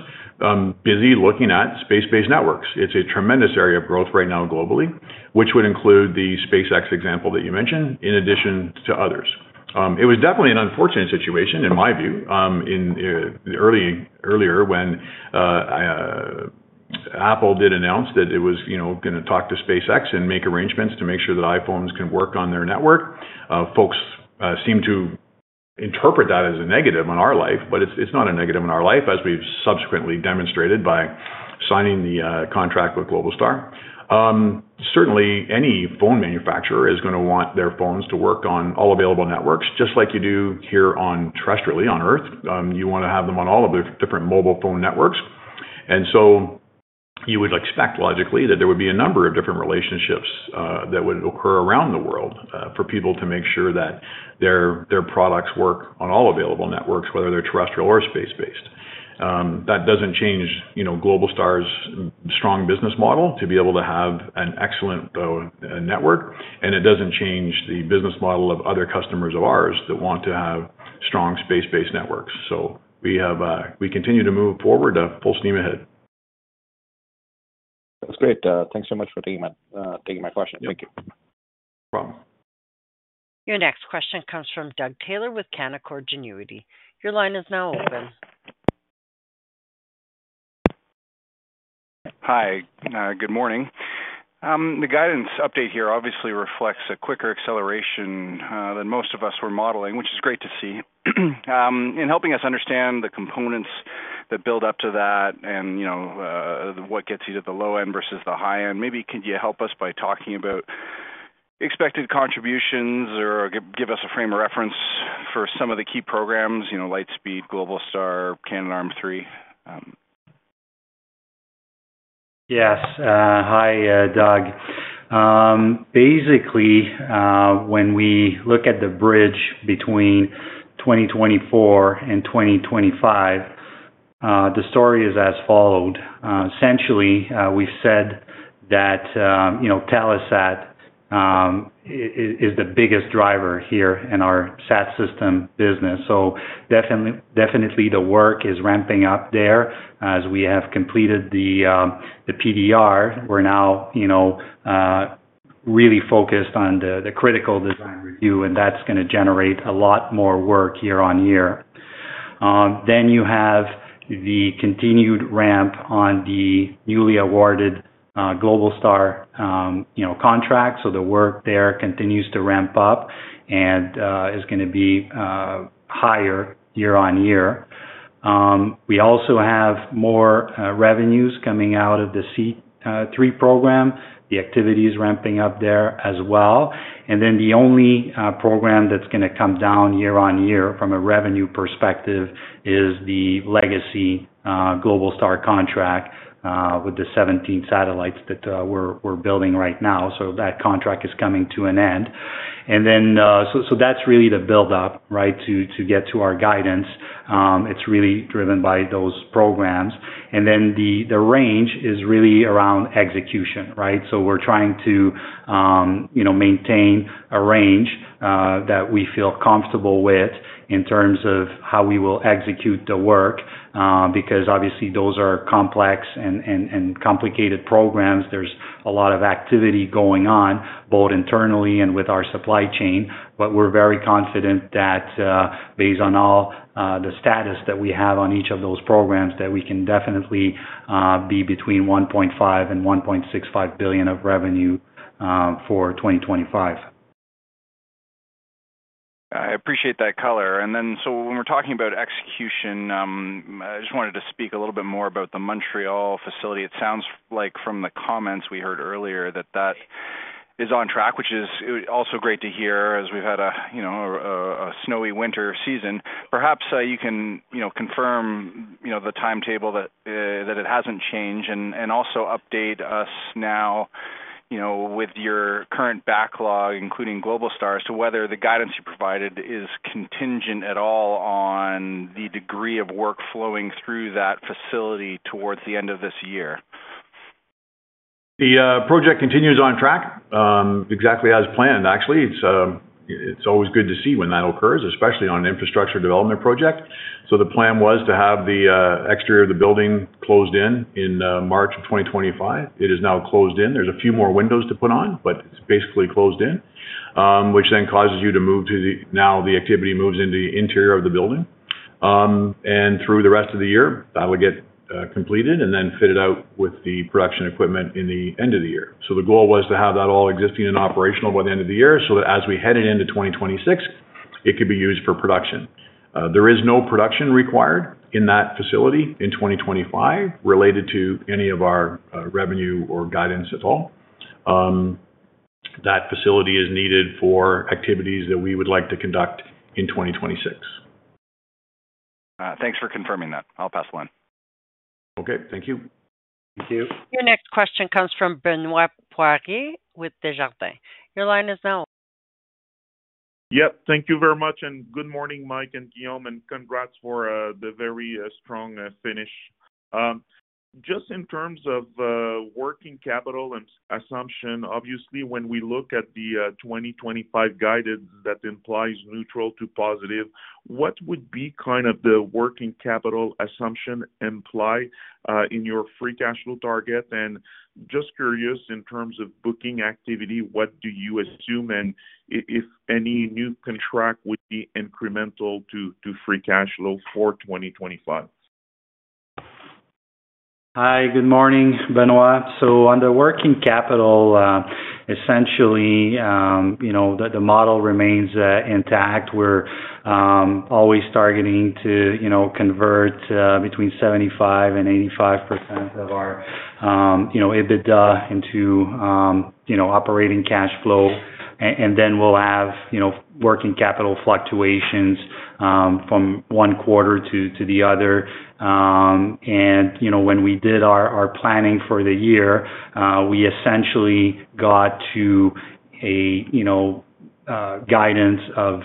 busy looking at space-based networks. It is a tremendous area of growth right now globally, which would include the SpaceX example that you mentioned, in addition to others. It was definitely an unfortunate situation, in my view, earlier when Apple did announce that it was, you know, going to talk to SpaceX and make arrangements to make sure that iPhones can work on their network. Folks seem to interpret that as a negative on our life, but it's not a negative on our life, as we've subsequently demonstrated by signing the contract with Globalstar. Certainly, any phone manufacturer is going to want their phones to work on all available networks, just like you do here terrestrially, on Earth. You want to have them on all of the different mobile phone networks. You would expect, logically, that there would be a number of different relationships that would occur around the world for people to make sure that their products work on all available networks, whether they're terrestrial or space-based. That doesn't change, you know, Globalstar's strong business model to be able to have an excellent network, and it doesn't change the business model of other customers of ours that want to have strong space-based networks. We continue to move forward full steam ahead. That's great. Thanks so much for taking my question. Thank you. No problem. Your next question comes from Doug Taylor with Canaccord Genuity. Your line is now open. Hi. Good morning. The guidance update here obviously reflects a quicker acceleration than most of us were modeling, which is great to see. In helping us understand the components that build up to that and, you know, what gets you to the low end versus the high end, maybe could you help us by talking about expected contributions or give us a frame of reference for some of the key programs, you know, Lightspeed, Globalstar, Canadarm3? Yes. Hi, Doug. Basically, when we look at the bridge between 2024 and 2025, the story is as follows. Essentially, we've said that, you know, Telesat is the biggest driver here in our SAT system business. Definitely the work is ramping up there. As we have completed the PDR, we're now, you know, really focused on the critical design review, and that's going to generate a lot more work year on year. You have the continued ramp on the newly awarded Globalstar, you know, contract. The work there continues to ramp up and is going to be higher year on year. We also have more revenues coming out of the Seat 3 program. The activity is ramping up there as well. The only program that's going to come down year on year from a revenue perspective is the legacy Globalstar contract with the 17 satellites that we're building right now. That contract is coming to an end. That's really the build-up, right, to get to our guidance. It's really driven by those programs. The range is really around execution, right? We're trying to, you know, maintain a range that we feel comfortable with in terms of how we will execute the work because obviously those are complex and complicated programs. There's a lot of activity going on both internally and with our supply chain. We're very confident that based on all the status that we have on each of those programs, we can definitely be between 1.5 billion and 1.65 billion of revenue for 2025. I appreciate that color. When we're talking about execution, I just wanted to speak a little bit more about the Montreal facility. It sounds like from the comments we heard earlier that that is on track, which is also great to hear as we've had a, you know, a snowy winter season. Perhaps you can, you know, confirm, you know, the timetable that it hasn't changed and also update us now, you know, with your current backlog, including Globalstar, as to whether the guidance you provided is contingent at all on the degree of work flowing through that facility towards the end of this year. The project continues on track exactly as planned, actually. It's always good to see when that occurs, especially on an infrastructure development project. The plan was to have the exterior of the building closed in in March of 2025. It is now closed in. There's a few more windows to put on, but it's basically closed in, which then causes you to move to the now the activity moves into the interior of the building. Through the rest of the year, that will get completed and then fitted out with the production equipment in the end of the year. The goal was to have that all existing and operational by the end of the year so that as we headed into 2026, it could be used for production. There is no production required in that facility in 2025 related to any of our revenue or guidance at all. That facility is needed for activities that we would like to conduct in 2026. Thanks for confirming that. I'll pass the line. Okay. Thank you. Thank you. Your next question comes from Benoit Poirier with Desjardins. Your line is now. Thank you very much. Good morning, Mike and Guillaume, and congrats for the very strong finish. Just in terms of working capital and assumption, obviously, when we look at the 2025 guidance that implies neutral to positive, what would be kind of the working capital assumption imply in your free cash flow target? Just curious, in terms of booking activity, what do you assume and if any new contract would be incremental to free cash flow for 2025? Hi. Good morning, Benoit. On the working capital, essentially, you know, the model remains intact. We're always targeting to, you know, convert between 75% and 85% of our, you know, EBITDA into, you know, operating cash flow. We will have, you know, working capital fluctuations from one quarter to the other. You know, when we did our planning for the year, we essentially got to a, you know, guidance of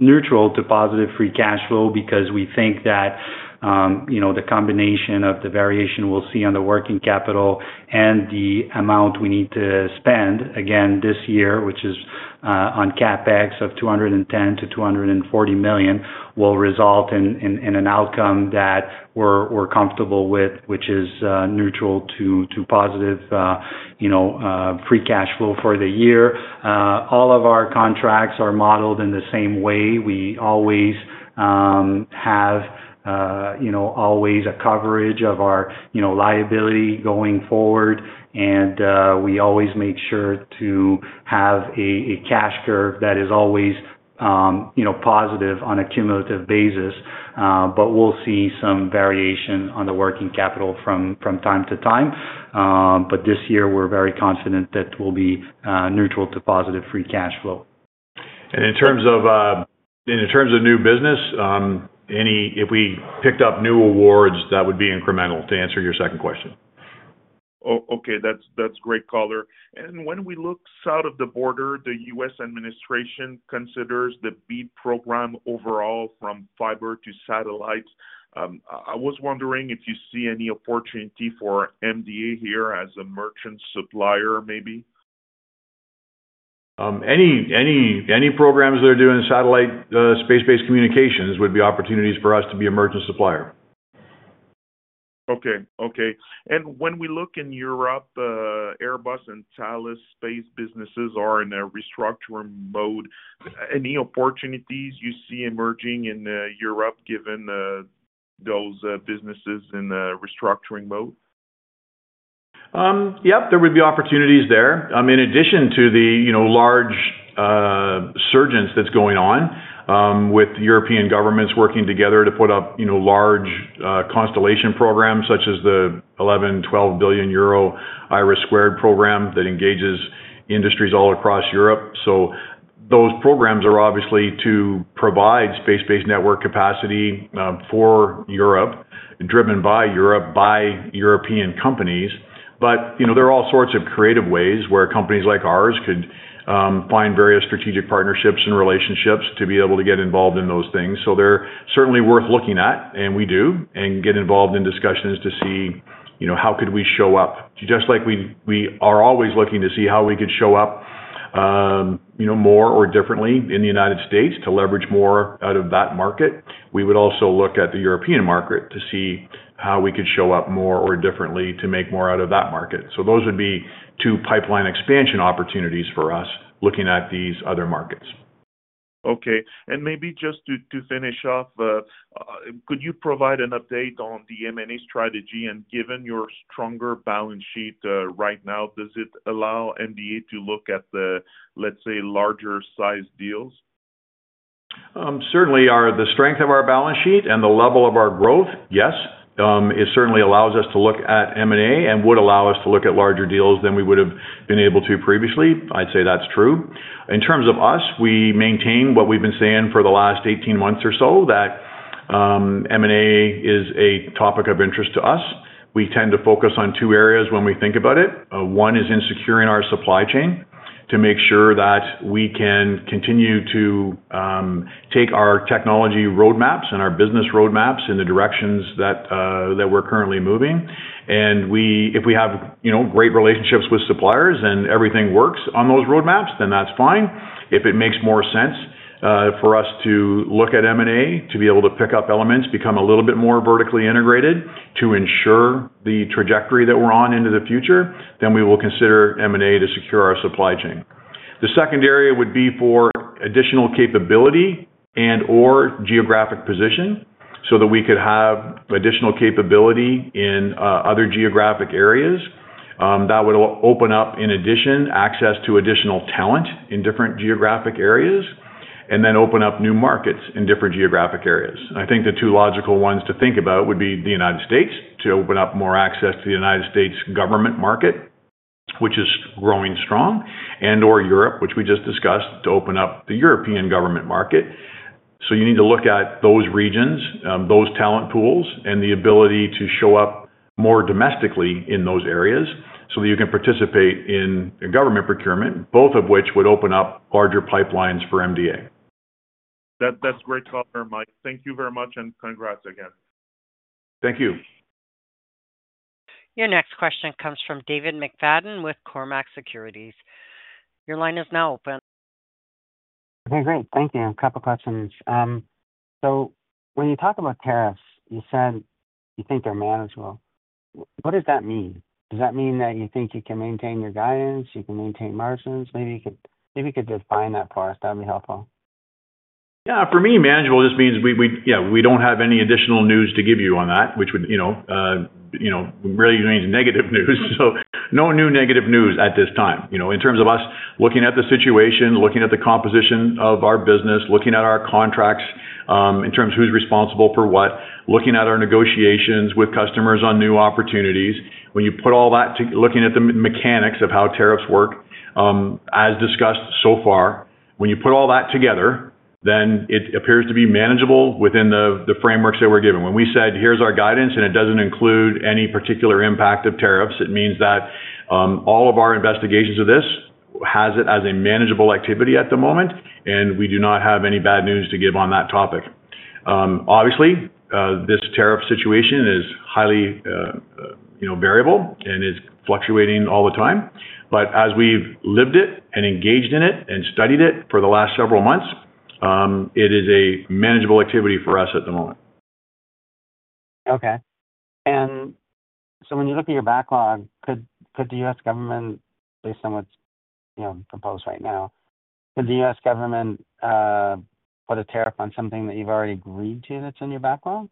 neutral to positive free cash flow because we think that, you know, the combination of the variation we'll see on the working capital and the amount we need to spend again this year, which is on CapEx of 210 million-240 million, will result in an outcome that we're comfortable with, which is neutral to positive, you know, free cash flow for the year. All of our contracts are modeled in the same way. We always have, you know, always a coverage of our, you know, liability going forward. We always make sure to have a cash curve that is always, you know, positive on a cumulative basis. We'll see some variation on the working capital from time to time. This year, we're very confident that we'll be neutral to positive free cash flow. In terms of new business, if we picked up new awards, that would be incremental to answer your second question. Okay. That's great color. When we look south of the border, the U.S. administration considers the B program overall from fiber to satellites. I was wondering if you see any opportunity for MDA here as a merchant supplier, maybe. Any programs they're doing, satellite space-based communications, would be opportunities for us to be a merchant supplier. Okay. Okay. When we look in Europe, Airbus and Thales space businesses are in a restructuring mode. Any opportunities you see emerging in Europe given those businesses in restructuring mode? Yep. There would be opportunities there. In addition to the, you know, large surgence that's going on with European governments working together to put up, you know, large constellation programs such as the 11 billion-12 billion euro IRIS2 program that engages industries all across Europe. Those programs are obviously to provide space-based network capacity for Europe, driven by Europe, by European companies. But, you know, there are all sorts of creative ways where companies like ours could find various strategic partnerships and relationships to be able to get involved in those things. They're certainly worth looking at, and we do, and get involved in discussions to see, you know, how could we show up. Just like we are always looking to see how we could show up, you know, more or differently in the United States to leverage more out of that market, we would also look at the European market to see how we could show up more or differently to make more out of that market. Those would be two pipeline expansion opportunities for us looking at these other markets. Okay. Maybe just to finish off, could you provide an update on the M&A strategy? Given your stronger balance sheet right now, does it allow MDA to look at the, let's say, larger-sized deals? Certainly, the strength of our balance sheet and the level of our growth, yes, it certainly allows us to look at M&A and would allow us to look at larger deals than we would have been able to previously. I'd say that's true. In terms of us, we maintain what we've been saying for the last 18 months or so, that M&A is a topic of interest to us. We tend to focus on two areas when we think about it. One is in securing our supply chain to make sure that we can continue to take our technology roadmaps and our business roadmaps in the directions that we're currently moving. If we have, you know, great relationships with suppliers and everything works on those roadmaps, then that's fine. If it makes more sense for us to look at M&A to be able to pick up elements, become a little bit more vertically integrated to ensure the trajectory that we're on into the future, then we will consider M&A to secure our supply chain. The second area would be for additional capability and/or geographic position so that we could have additional capability in other geographic areas. That would open up, in addition, access to additional talent in different geographic areas and then open up new markets in different geographic areas. I think the two logical ones to think about would be the United States to open up more access to the United States government market, which is growing strong, and/or Europe, which we just discussed, to open up the European government market. You need to look at those regions, those talent pools, and the ability to show up more domestically in those areas so that you can participate in government procurement, both of which would open up larger pipelines for MDA. That's great color, Mike. Thank you very much and congrats again. Thank you. Your next question comes from David McFadgen with Cormark Securities. Your line is now open. Okay. Great. Thank you. A couple of questions. When you talk about tariffs, you said you think they're manageable. What does that mean? Does that mean that you think you can maintain your guidance, you can maintain margins? Maybe you could define that for us. That would be helpful. Yeah. For me, manageable just means we, yeah, we do not have any additional news to give you on that, which would, you know, you know, really means negative news. So no new negative news at this time, you know, in terms of us looking at the situation, looking at the composition of our business, looking at our contracts in terms of who is responsible for what, looking at our negotiations with customers on new opportunities. When you put all that, looking at the mechanics of how tariffs work, as discussed so far, when you put all that together, then it appears to be manageable within the frameworks that we are given. When we said, "Here's our guidance," and it does not include any particular impact of tariffs, it means that all of our investigations of this has it as a manageable activity at the moment, and we do not have any bad news to give on that topic. Obviously, this tariff situation is highly, you know, variable and is fluctuating all the time. As we've lived it and engaged in it and studied it for the last several months, it is a manageable activity for us at the moment. Okay. When you look at your backlog, could the U.S. government, based on what's, you know, proposed right now, could the U.S. government put a tariff on something that you've already agreed to that's in your backlog?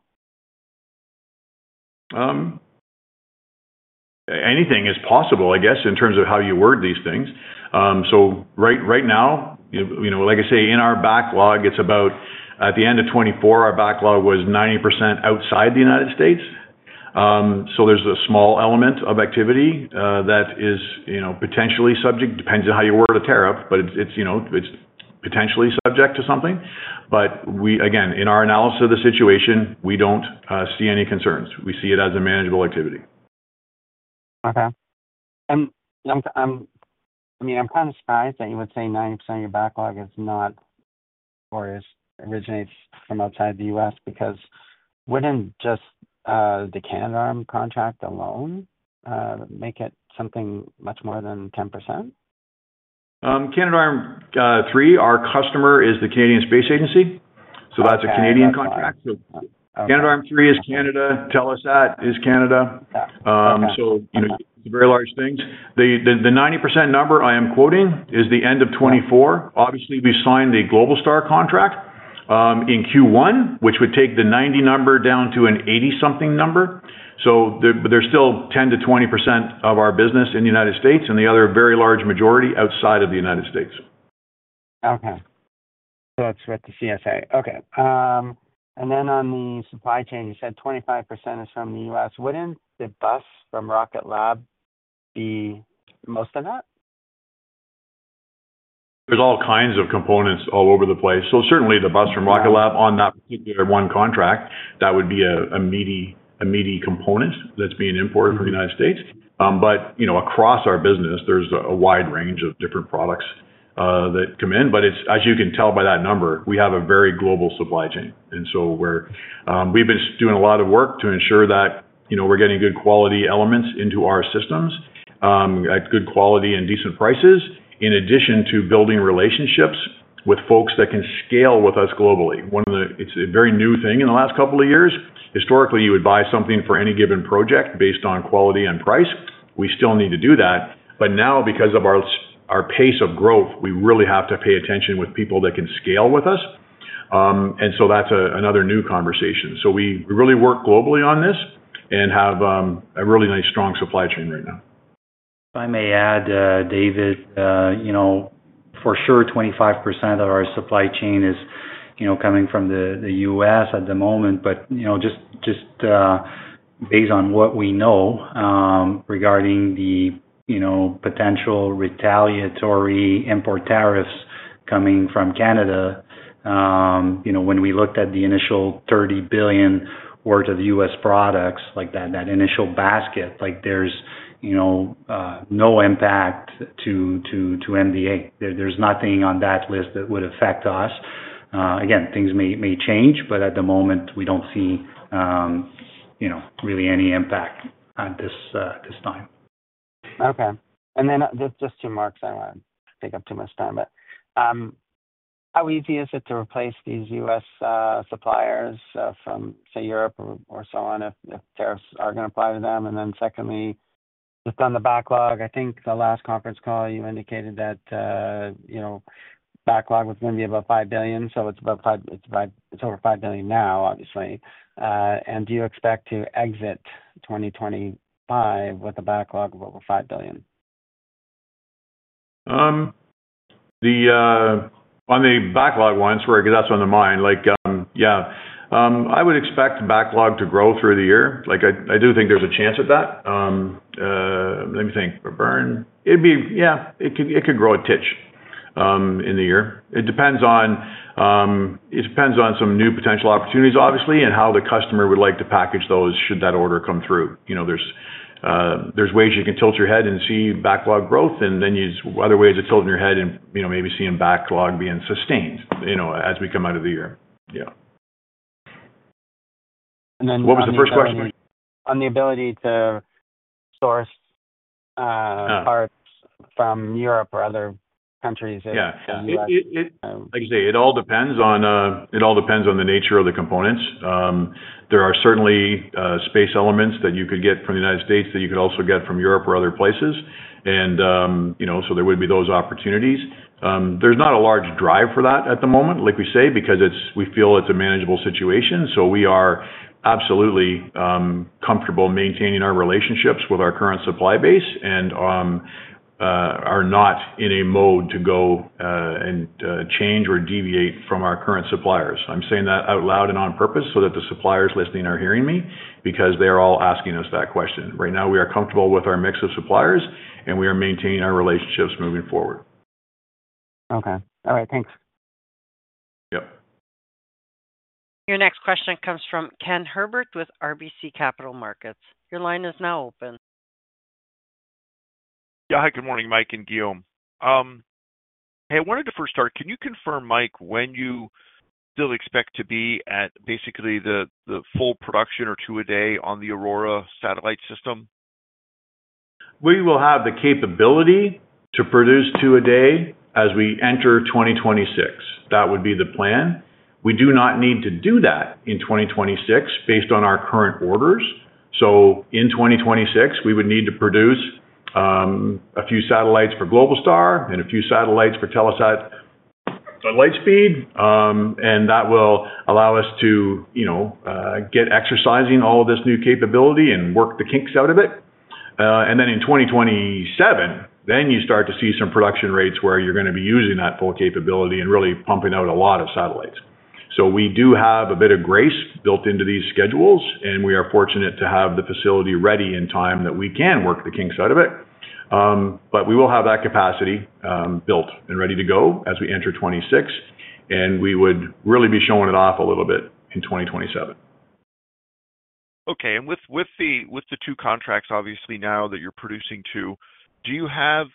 Anything is possible, I guess, in terms of how you word these things. Right now, you know, like I say, in our backlog, at the end of 2024, our backlog was 90% outside the U.S. There is a small element of activity that is, you know, potentially subject, depends on how you word a tariff, but it is, you know, it is potentially subject to something. We, again, in our analysis of the situation, do not see any concerns. We see it as a manageable activity. Okay. I mean, I'm kind of surprised that you would say 90% of your backlog is not or originates from outside the U.S. because wouldn't just the Canadarm contract alone make it something much more than 10%? Canadarm3, our customer is the Canadian Space Agency. That is a Canadian contract. Okay. Canadarm3 is Canada. Telesat is Canada. Okay. You know, it's very large things. The 90% number I am quoting is the end of 2024. Obviously, we signed the Globalstar contract in Q1, which would take the 90 number down to an 80-something number. There's still 10-20% of our business in the United States and the other very large majority outside of the United States. Okay. So that's with the CSA. Okay. And then on the supply chain, you said 25% is from the U.S. Wouldn't the bus from Rocket Lab be most of that? There's all kinds of components all over the place. Certainly, the bus from Rocket Lab on that particular one contract, that would be a meaty component that's being imported from the United States. You know, across our business, there's a wide range of different products that come in. As you can tell by that number, we have a very global supply chain. We've been doing a lot of work to ensure that, you know, we're getting good quality elements into our systems at good quality and decent prices, in addition to building relationships with folks that can scale with us globally. It's a very new thing in the last couple of years. Historically, you would buy something for any given project based on quality and price. We still need to do that. Now, because of our pace of growth, we really have to pay attention with people that can scale with us. That is another new conversation. We really work globally on this and have a really nice, strong supply chain right now. If I may add, David, you know, for sure, 25% of our supply chain is, you know, coming from the U.S. at the moment. You know, just based on what we know regarding the, you know, potential retaliatory import tariffs coming from Canada, you know, when we looked at the initial $30 billion worth of U.S. products, like that initial basket, like there's, you know, no impact to MDA. There's nothing on that list that would affect us. Again, things may change, but at the moment, we don't see, you know, really any impact at this time. Okay. And then just two marks. I do not want to take up too much time. But how easy is it to replace these U.S. suppliers from, say, Europe or so on if tariffs are going to apply to them? Then secondly, just on the backlog, I think the last conference call, you indicated that, you know, backlog was going to be about 5 billion. So it is about, it is over 5 billion now, obviously. Do you expect to exit 2025 with a backlog of over 5 billion? On the backlog one, sorry, because that's on the mind. Like, yeah, I would expect backlog to grow through the year. Like, I do think there's a chance at that. Let me think. It'd be, yeah, it could grow a titch in the year. It depends on some new potential opportunities, obviously, and how the customer would like to package those should that order come through. You know, there's ways you can tilt your head and see backlog growth, and then use other ways to tilt your head and, you know, maybe see a backlog being sustained, you know, as we come out of the year. Yeah. What was the first question? On the ability to source parts from Europe or other countries in the U.S.? Yeah. Like I say, it all depends on the nature of the components. There are certainly space elements that you could get from the United States that you could also get from Europe or other places. You know, there would be those opportunities. There's not a large drive for that at the moment, like we say, because we feel it's a manageable situation. We are absolutely comfortable maintaining our relationships with our current supply base and are not in a mode to go and change or deviate from our current suppliers. I'm saying that out loud and on purpose so that the suppliers listening are hearing me because they are all asking us that question. Right now, we are comfortable with our mix of suppliers, and we are maintaining our relationships moving forward. Okay. All right. Thanks. Yep. Your next question comes from Ken Herbert with RBC Capital Markets. Your line is now open. Yeah. Hi, good morning, Mike and Guillaume. Hey, I wanted to first start, can you confirm, Mike, when you still expect to be at basically the full production or two a day on the Aurora satellite system? We will have the capability to produce two a day as we enter 2026. That would be the plan. We do not need to do that in 2026 based on our current orders. In 2026, we would need to produce a few satellites for Globalstar and a few satellites for Telesat at Lightspeed. That will allow us to, you know, get exercising all of this new capability and work the kinks out of it. In 2027, you start to see some production rates where you're going to be using that full capability and really pumping out a lot of satellites. We do have a bit of grace built into these schedules, and we are fortunate to have the facility ready in time that we can work the kinks out of it. We will have that capacity built and ready to go as we enter 2026, and we would really be showing it off a little bit in 2027. Okay. With the two contracts, obviously, now that you're producing two, do you have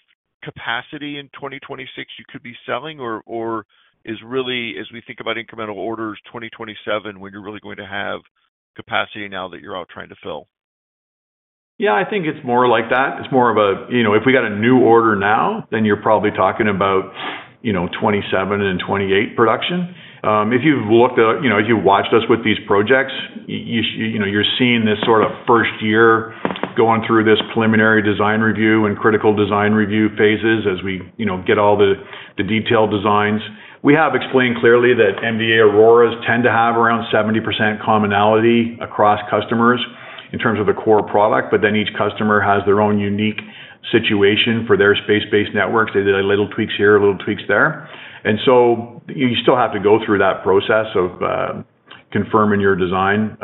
capacity in 2026 you could be selling, or is really, as we think about incremental orders, 2027 when you're really going to have capacity now that you're all trying to fill? Yeah. I think it's more like that. It's more of a, you know, if we got a new order now, then you're probably talking about, you know, 2027 and 2028 production. If you've looked at, you know, if you've watched us with these projects, you know, you're seeing this sort of first year going through this preliminary design review and critical design review phases as we, you know, get all the detailed designs. We have explained clearly that MDA Aurora tend to have around 70% commonality across customers in terms of the core product, but then each customer has their own unique situation for their space-based networks. They did a little tweaks here, a little tweaks there. You still have to go through that process of confirming your design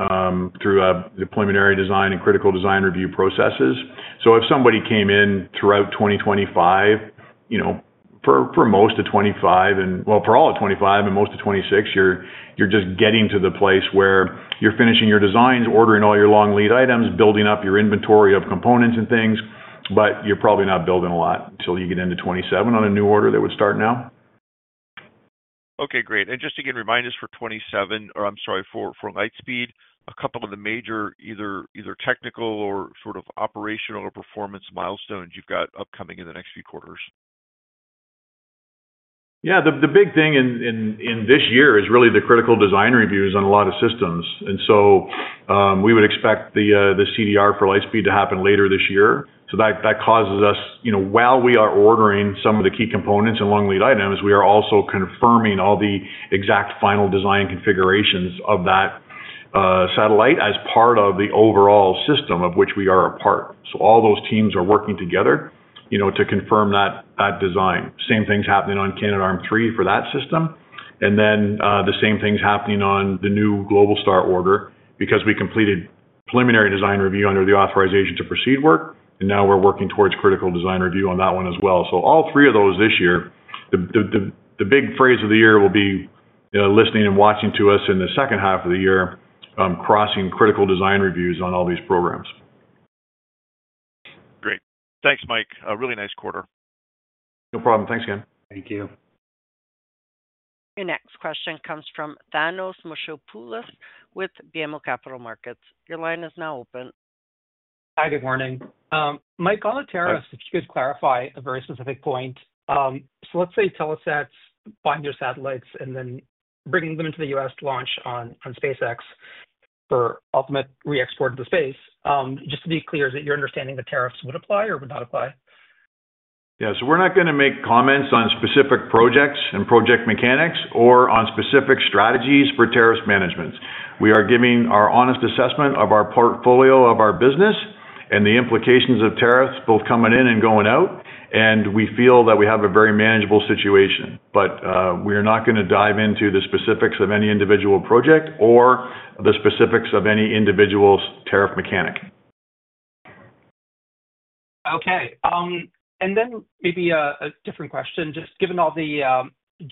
through a preliminary design and critical design review processes. If somebody came in throughout 2025, you know, for most of 2025 and, well, for all of 2025 and most of 2026, you're just getting to the place where you're finishing your designs, ordering all your long lead items, building up your inventory of components and things, but you're probably not building a lot until you get into 2027 on a new order that would start now. Okay. Great. Just to get reminders for 2027, or I'm sorry, for Lightspeed, a couple of the major either technical or sort of operational or performance milestones you've got upcoming in the next few quarters? Yeah. The big thing in this year is really the critical design reviews on a lot of systems. We would expect the CDR for Lightspeed to happen later this year. That causes us, you know, while we are ordering some of the key components and long lead items, we are also confirming all the exact final design configurations of that satellite as part of the overall system of which we are a part. All those teams are working together, you know, to confirm that design. Same thing's happening on Canadarm3 for that system. The same thing's happening on the new Globalstar order because we completed preliminary design review under the authorization to proceed work, and now we're working towards critical design review on that one as well. All three of those this year. The big phrase of the year will be listening and watching to us in the second half of the year, crossing critical design reviews on all these programs. Great. Thanks, Mike. A really nice quarter. No problem. Thanks again. Thank you. Your next question comes from Thanos Moschopoulos with BMO Capital Markets. Your line is now open. Hi, good morning. Mike, on the tariffs, if you could clarify a very specific point. Let's say Telesat's buying their satellites and then bringing them into the U.S. to launch on SpaceX for ultimate re-export to space. Just to be clear, is it your understanding the tariffs would apply or would not apply? Yeah. We are not going to make comments on specific projects and project mechanics or on specific strategies for tariffs management. We are giving our honest assessment of our portfolio of our business and the implications of tariffs both coming in and going out, and we feel that we have a very manageable situation. We are not going to dive into the specifics of any individual project or the specifics of any individual's tariff mechanic. Okay. Maybe a different question. Just given all the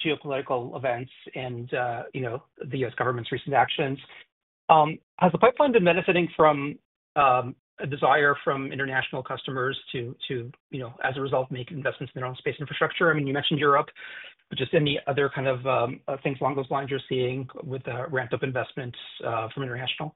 geopolitical events and, you know, the U.S. government's recent actions, has the pipeline been benefiting from a desire from international customers to, you know, as a result, make investments in their own space infrastructure? I mean, you mentioned Europe. Just any other kind of things along those lines you're seeing with the ramp-up investments from international?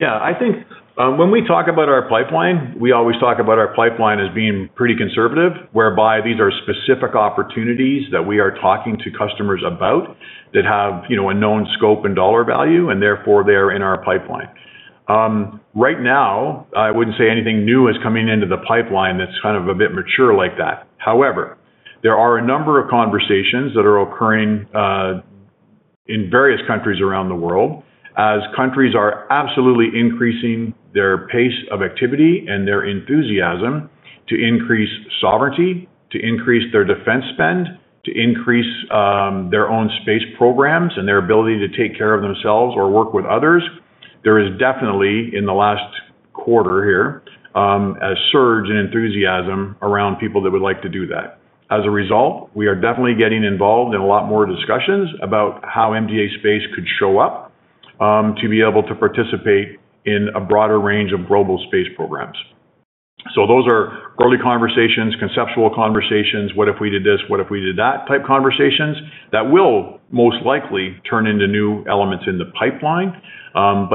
Yeah. I think when we talk about our pipeline, we always talk about our pipeline as being pretty conservative, whereby these are specific opportunities that we are talking to customers about that have, you know, a known scope and dollar value, and therefore they are in our pipeline. Right now, I would not say anything new is coming into the pipeline that is kind of a bit mature like that. However, there are a number of conversations that are occurring in various countries around the world as countries are absolutely increasing their pace of activity and their enthusiasm to increase sovereignty, to increase their defense spend, to increase their own space programs and their ability to take care of themselves or work with others. There is definitely, in the last quarter here, a surge in enthusiasm around people that would like to do that. As a result, we are definitely getting involved in a lot more discussions about how MDA Space could show up to be able to participate in a broader range of global space programs. Those are early conversations, conceptual conversations, what if we did this, what if we did that type conversations that will most likely turn into new elements in the pipeline.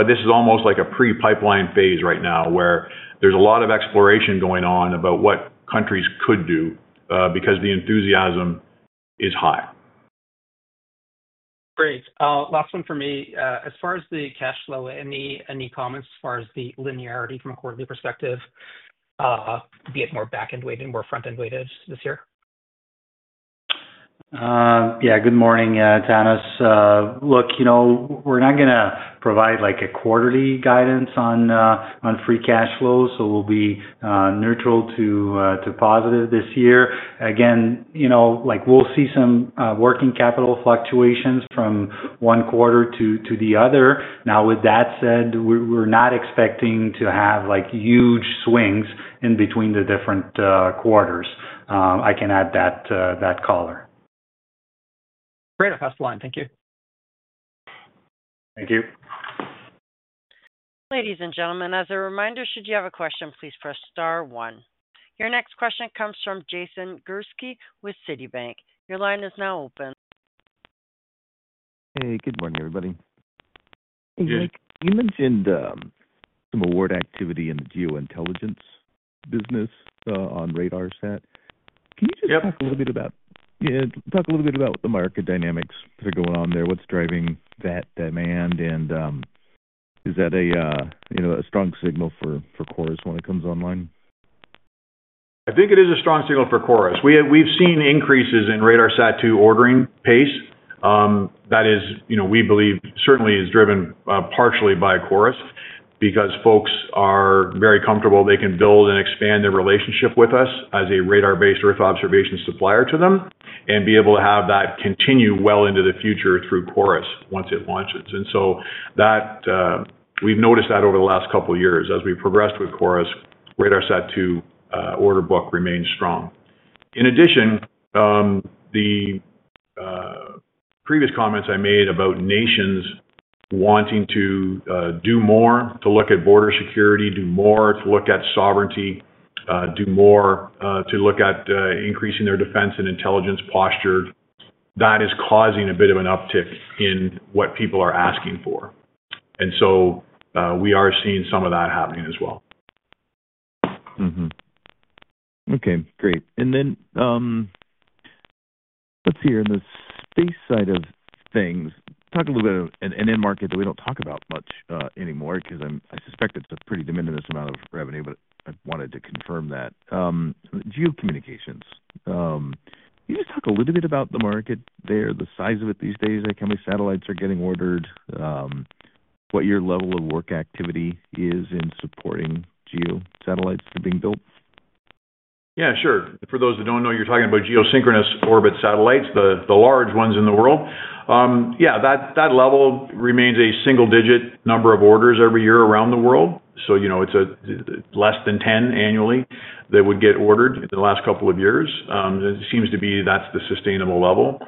This is almost like a pre-pipeline phase right now where there's a lot of exploration going on about what countries could do because the enthusiasm is high. Great. Last one for me. As far as the cash flow, any comments as far as the linearity from a quarterly perspective, be it more back-end weighted, more front-end weighted this year? Yeah. Good morning, Thanos. Look, you know, we're not going to provide like a quarterly guidance on free cash flow. So we'll be neutral to positive this year. Again, you know, like we'll see some working capital fluctuations from one quarter to the other. Now, with that said, we're not expecting to have like huge swings in between the different quarters. I can add that color. Great. That's the line. Thank you. Thank you. Ladies and gentlemen, as a reminder, should you have a question, please press star one. Your next question comes from Jason Gursky with Citibank. Your line is now open. Hey, good morning, everybody. You mentioned some award activity in the geointelligence business on RadarSat-2. Can you just talk a little bit about what the market dynamics that are going on there, what's driving that demand, and is that a, you know, a strong signal for CHORUS when it comes online? I think it is a strong signal for CHORUS. We've seen increases in RadarSat-2 ordering pace. That is, you know, we believe certainly is driven partially by CHORUS because folks are very comfortable. They can build and expand their relationship with us as a radar-based Earth observation supplier to them and be able to have that continue well into the future through CHORUS once it launches. That, we've noticed that over the last couple of years as we progressed with CHORUS, RadarSat-2 order book remains strong. In addition, the previous comments I made about nations wanting to do more to look at border security, do more to look at sovereignty, do more to look at increasing their defense and intelligence posture, that is causing a bit of an uptick in what people are asking for. We are seeing some of that happening as well. Okay. Great. Let's see here in the space side of things, talk a little bit of an end market that we do not talk about much anymore because I suspect it is a pretty diminished amount of revenue, but I wanted to confirm that. Geo communications, can you just talk a little bit about the market there, the size of it these days, like how many satellites are getting ordered, what your level of work activity is in supporting geo satellites being built? Yeah. Sure. For those that do not know, you are talking about geosynchronous orbit satellites, the large ones in the world. Yeah. That level remains a single-digit number of orders every year around the world. You know, it is less than 10 annually that would get ordered in the last couple of years. It seems to be that is the sustainable level.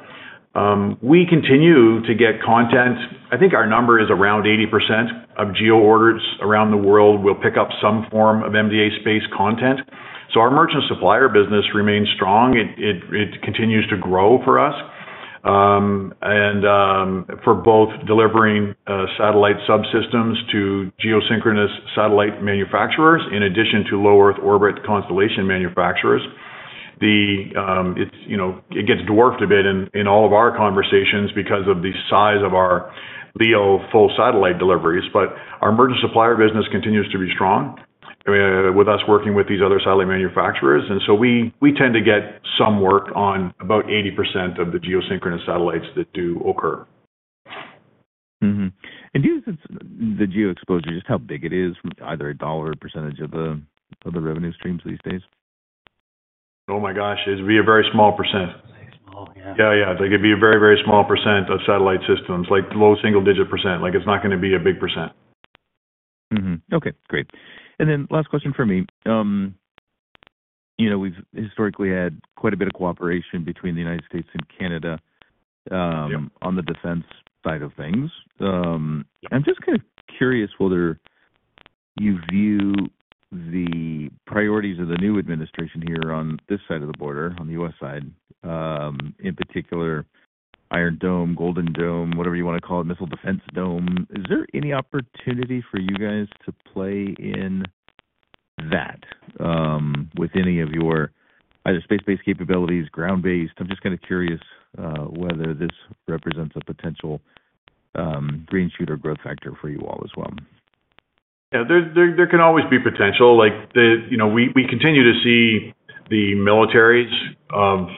We continue to get content. I think our number is around 80% of geo orders around the world will pick up some form of MDA Space content. So our merchant supplier business remains strong. It continues to grow for us and for both delivering satellite subsystems to geosynchronous satellite manufacturers in addition to low Earth orbit constellation manufacturers. The, you know, it gets dwarfed a bit in all of our conversations because of the size of our LEO full satellite deliveries, but our merchant supplier business continues to be strong with us working with these other satellite manufacturers. We tend to get some work on about 80% of the geosynchronous satellites that do occur. Do you think the geo exposure, just how big it is, either a dollar percentage of the revenue streams these days? Oh my gosh, it'd be a very small %. Very small, yeah. Yeah. Yeah. It'd be a very, very small % of satellite systems, like low single-digit %. Like it's not going to be a big %. Okay. Great. Last question for me. You know, we've historically had quite a bit of cooperation between the United States and Canada on the defense side of things. I'm just kind of curious whether you view the priorities of the new administration here on this side of the border, on the U.S. side, in particular, Iron Dome, Golden Dome, whatever you want to call it, missile defense dome. Is there any opportunity for you guys to play in that with any of your either space-based capabilities, ground-based? I'm just kind of curious whether this represents a potential green shoot or growth factor for you all as well. Yeah. There can always be potential. Like, you know, we continue to see the militaries of,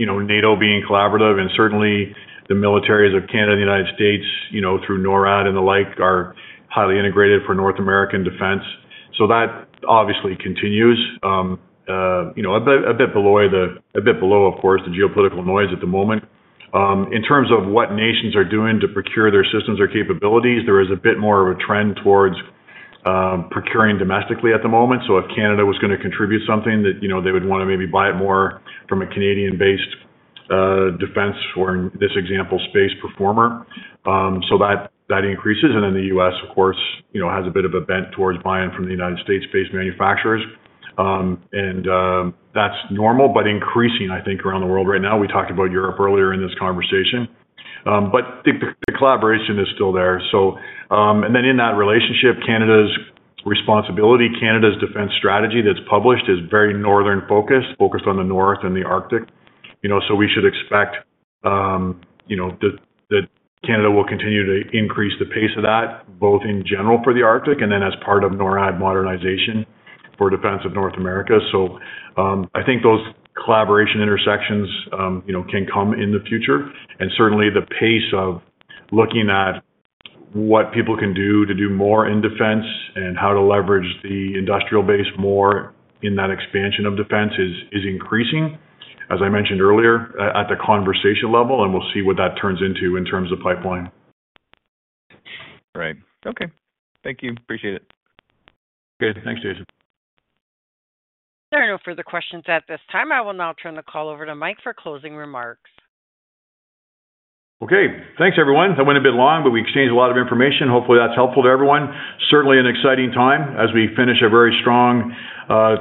you know, NATO being collaborative, and certainly the militaries of Canada and the United States, you know, through NORAD and the like, are highly integrated for North American defense. That obviously continues, you know, a bit below the, a bit below, of course, the geopolitical noise at the moment. In terms of what nations are doing to procure their systems or capabilities, there is a bit more of a trend towards procuring domestically at the moment. If Canada was going to contribute something, that, you know, they would want to maybe buy it more from a Canadian-based defense or, in this example, space performer. That increases. Then the U.S., of course, you know, has a bit of a bent towards buying from the United States space manufacturers. That's normal, but increasing, I think, around the world right now. We talked about Europe earlier in this conversation. The collaboration is still there. In that relationship, Canada's responsibility, Canada's defense strategy that's published is very northern focused, focused on the north and the Arctic. You know, we should expect, you know, that Canada will continue to increase the pace of that both in general for the Arctic and then as part of NORAD modernization for defense of North America. I think those collaboration intersections, you know, can come in the future. Certainly the pace of looking at what people can do to do more in defense and how to leverage the industrial base more in that expansion of defense is increasing, as I mentioned earlier, at the conversation level, and we'll see what that turns into in terms of pipeline. Right. Okay. Thank you. Appreciate it. Good. Thanks, Jason. There are no further questions at this time. I will now turn the call over to Mike for closing remarks. Okay. Thanks, everyone. That went a bit long, but we exchanged a lot of information. Hopefully that's helpful to everyone. Certainly an exciting time as we finish a very strong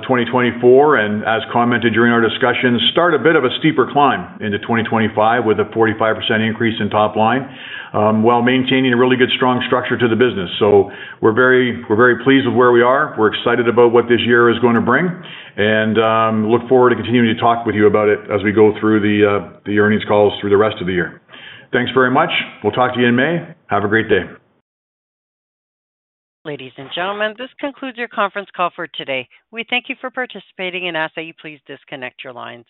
2024 and, as commented during our discussion, start a bit of a steeper climb into 2025 with a 45% increase in top line while maintaining a really good strong structure to the business. We are very pleased with where we are. We're excited about what this year is going to bring and look forward to continuing to talk with you about it as we go through the earnings calls through the rest of the year. Thanks very much. We'll talk to you in May. Have a great day. Ladies and gentlemen, this concludes your conference call for today. We thank you for participating and ask that you please disconnect your lines.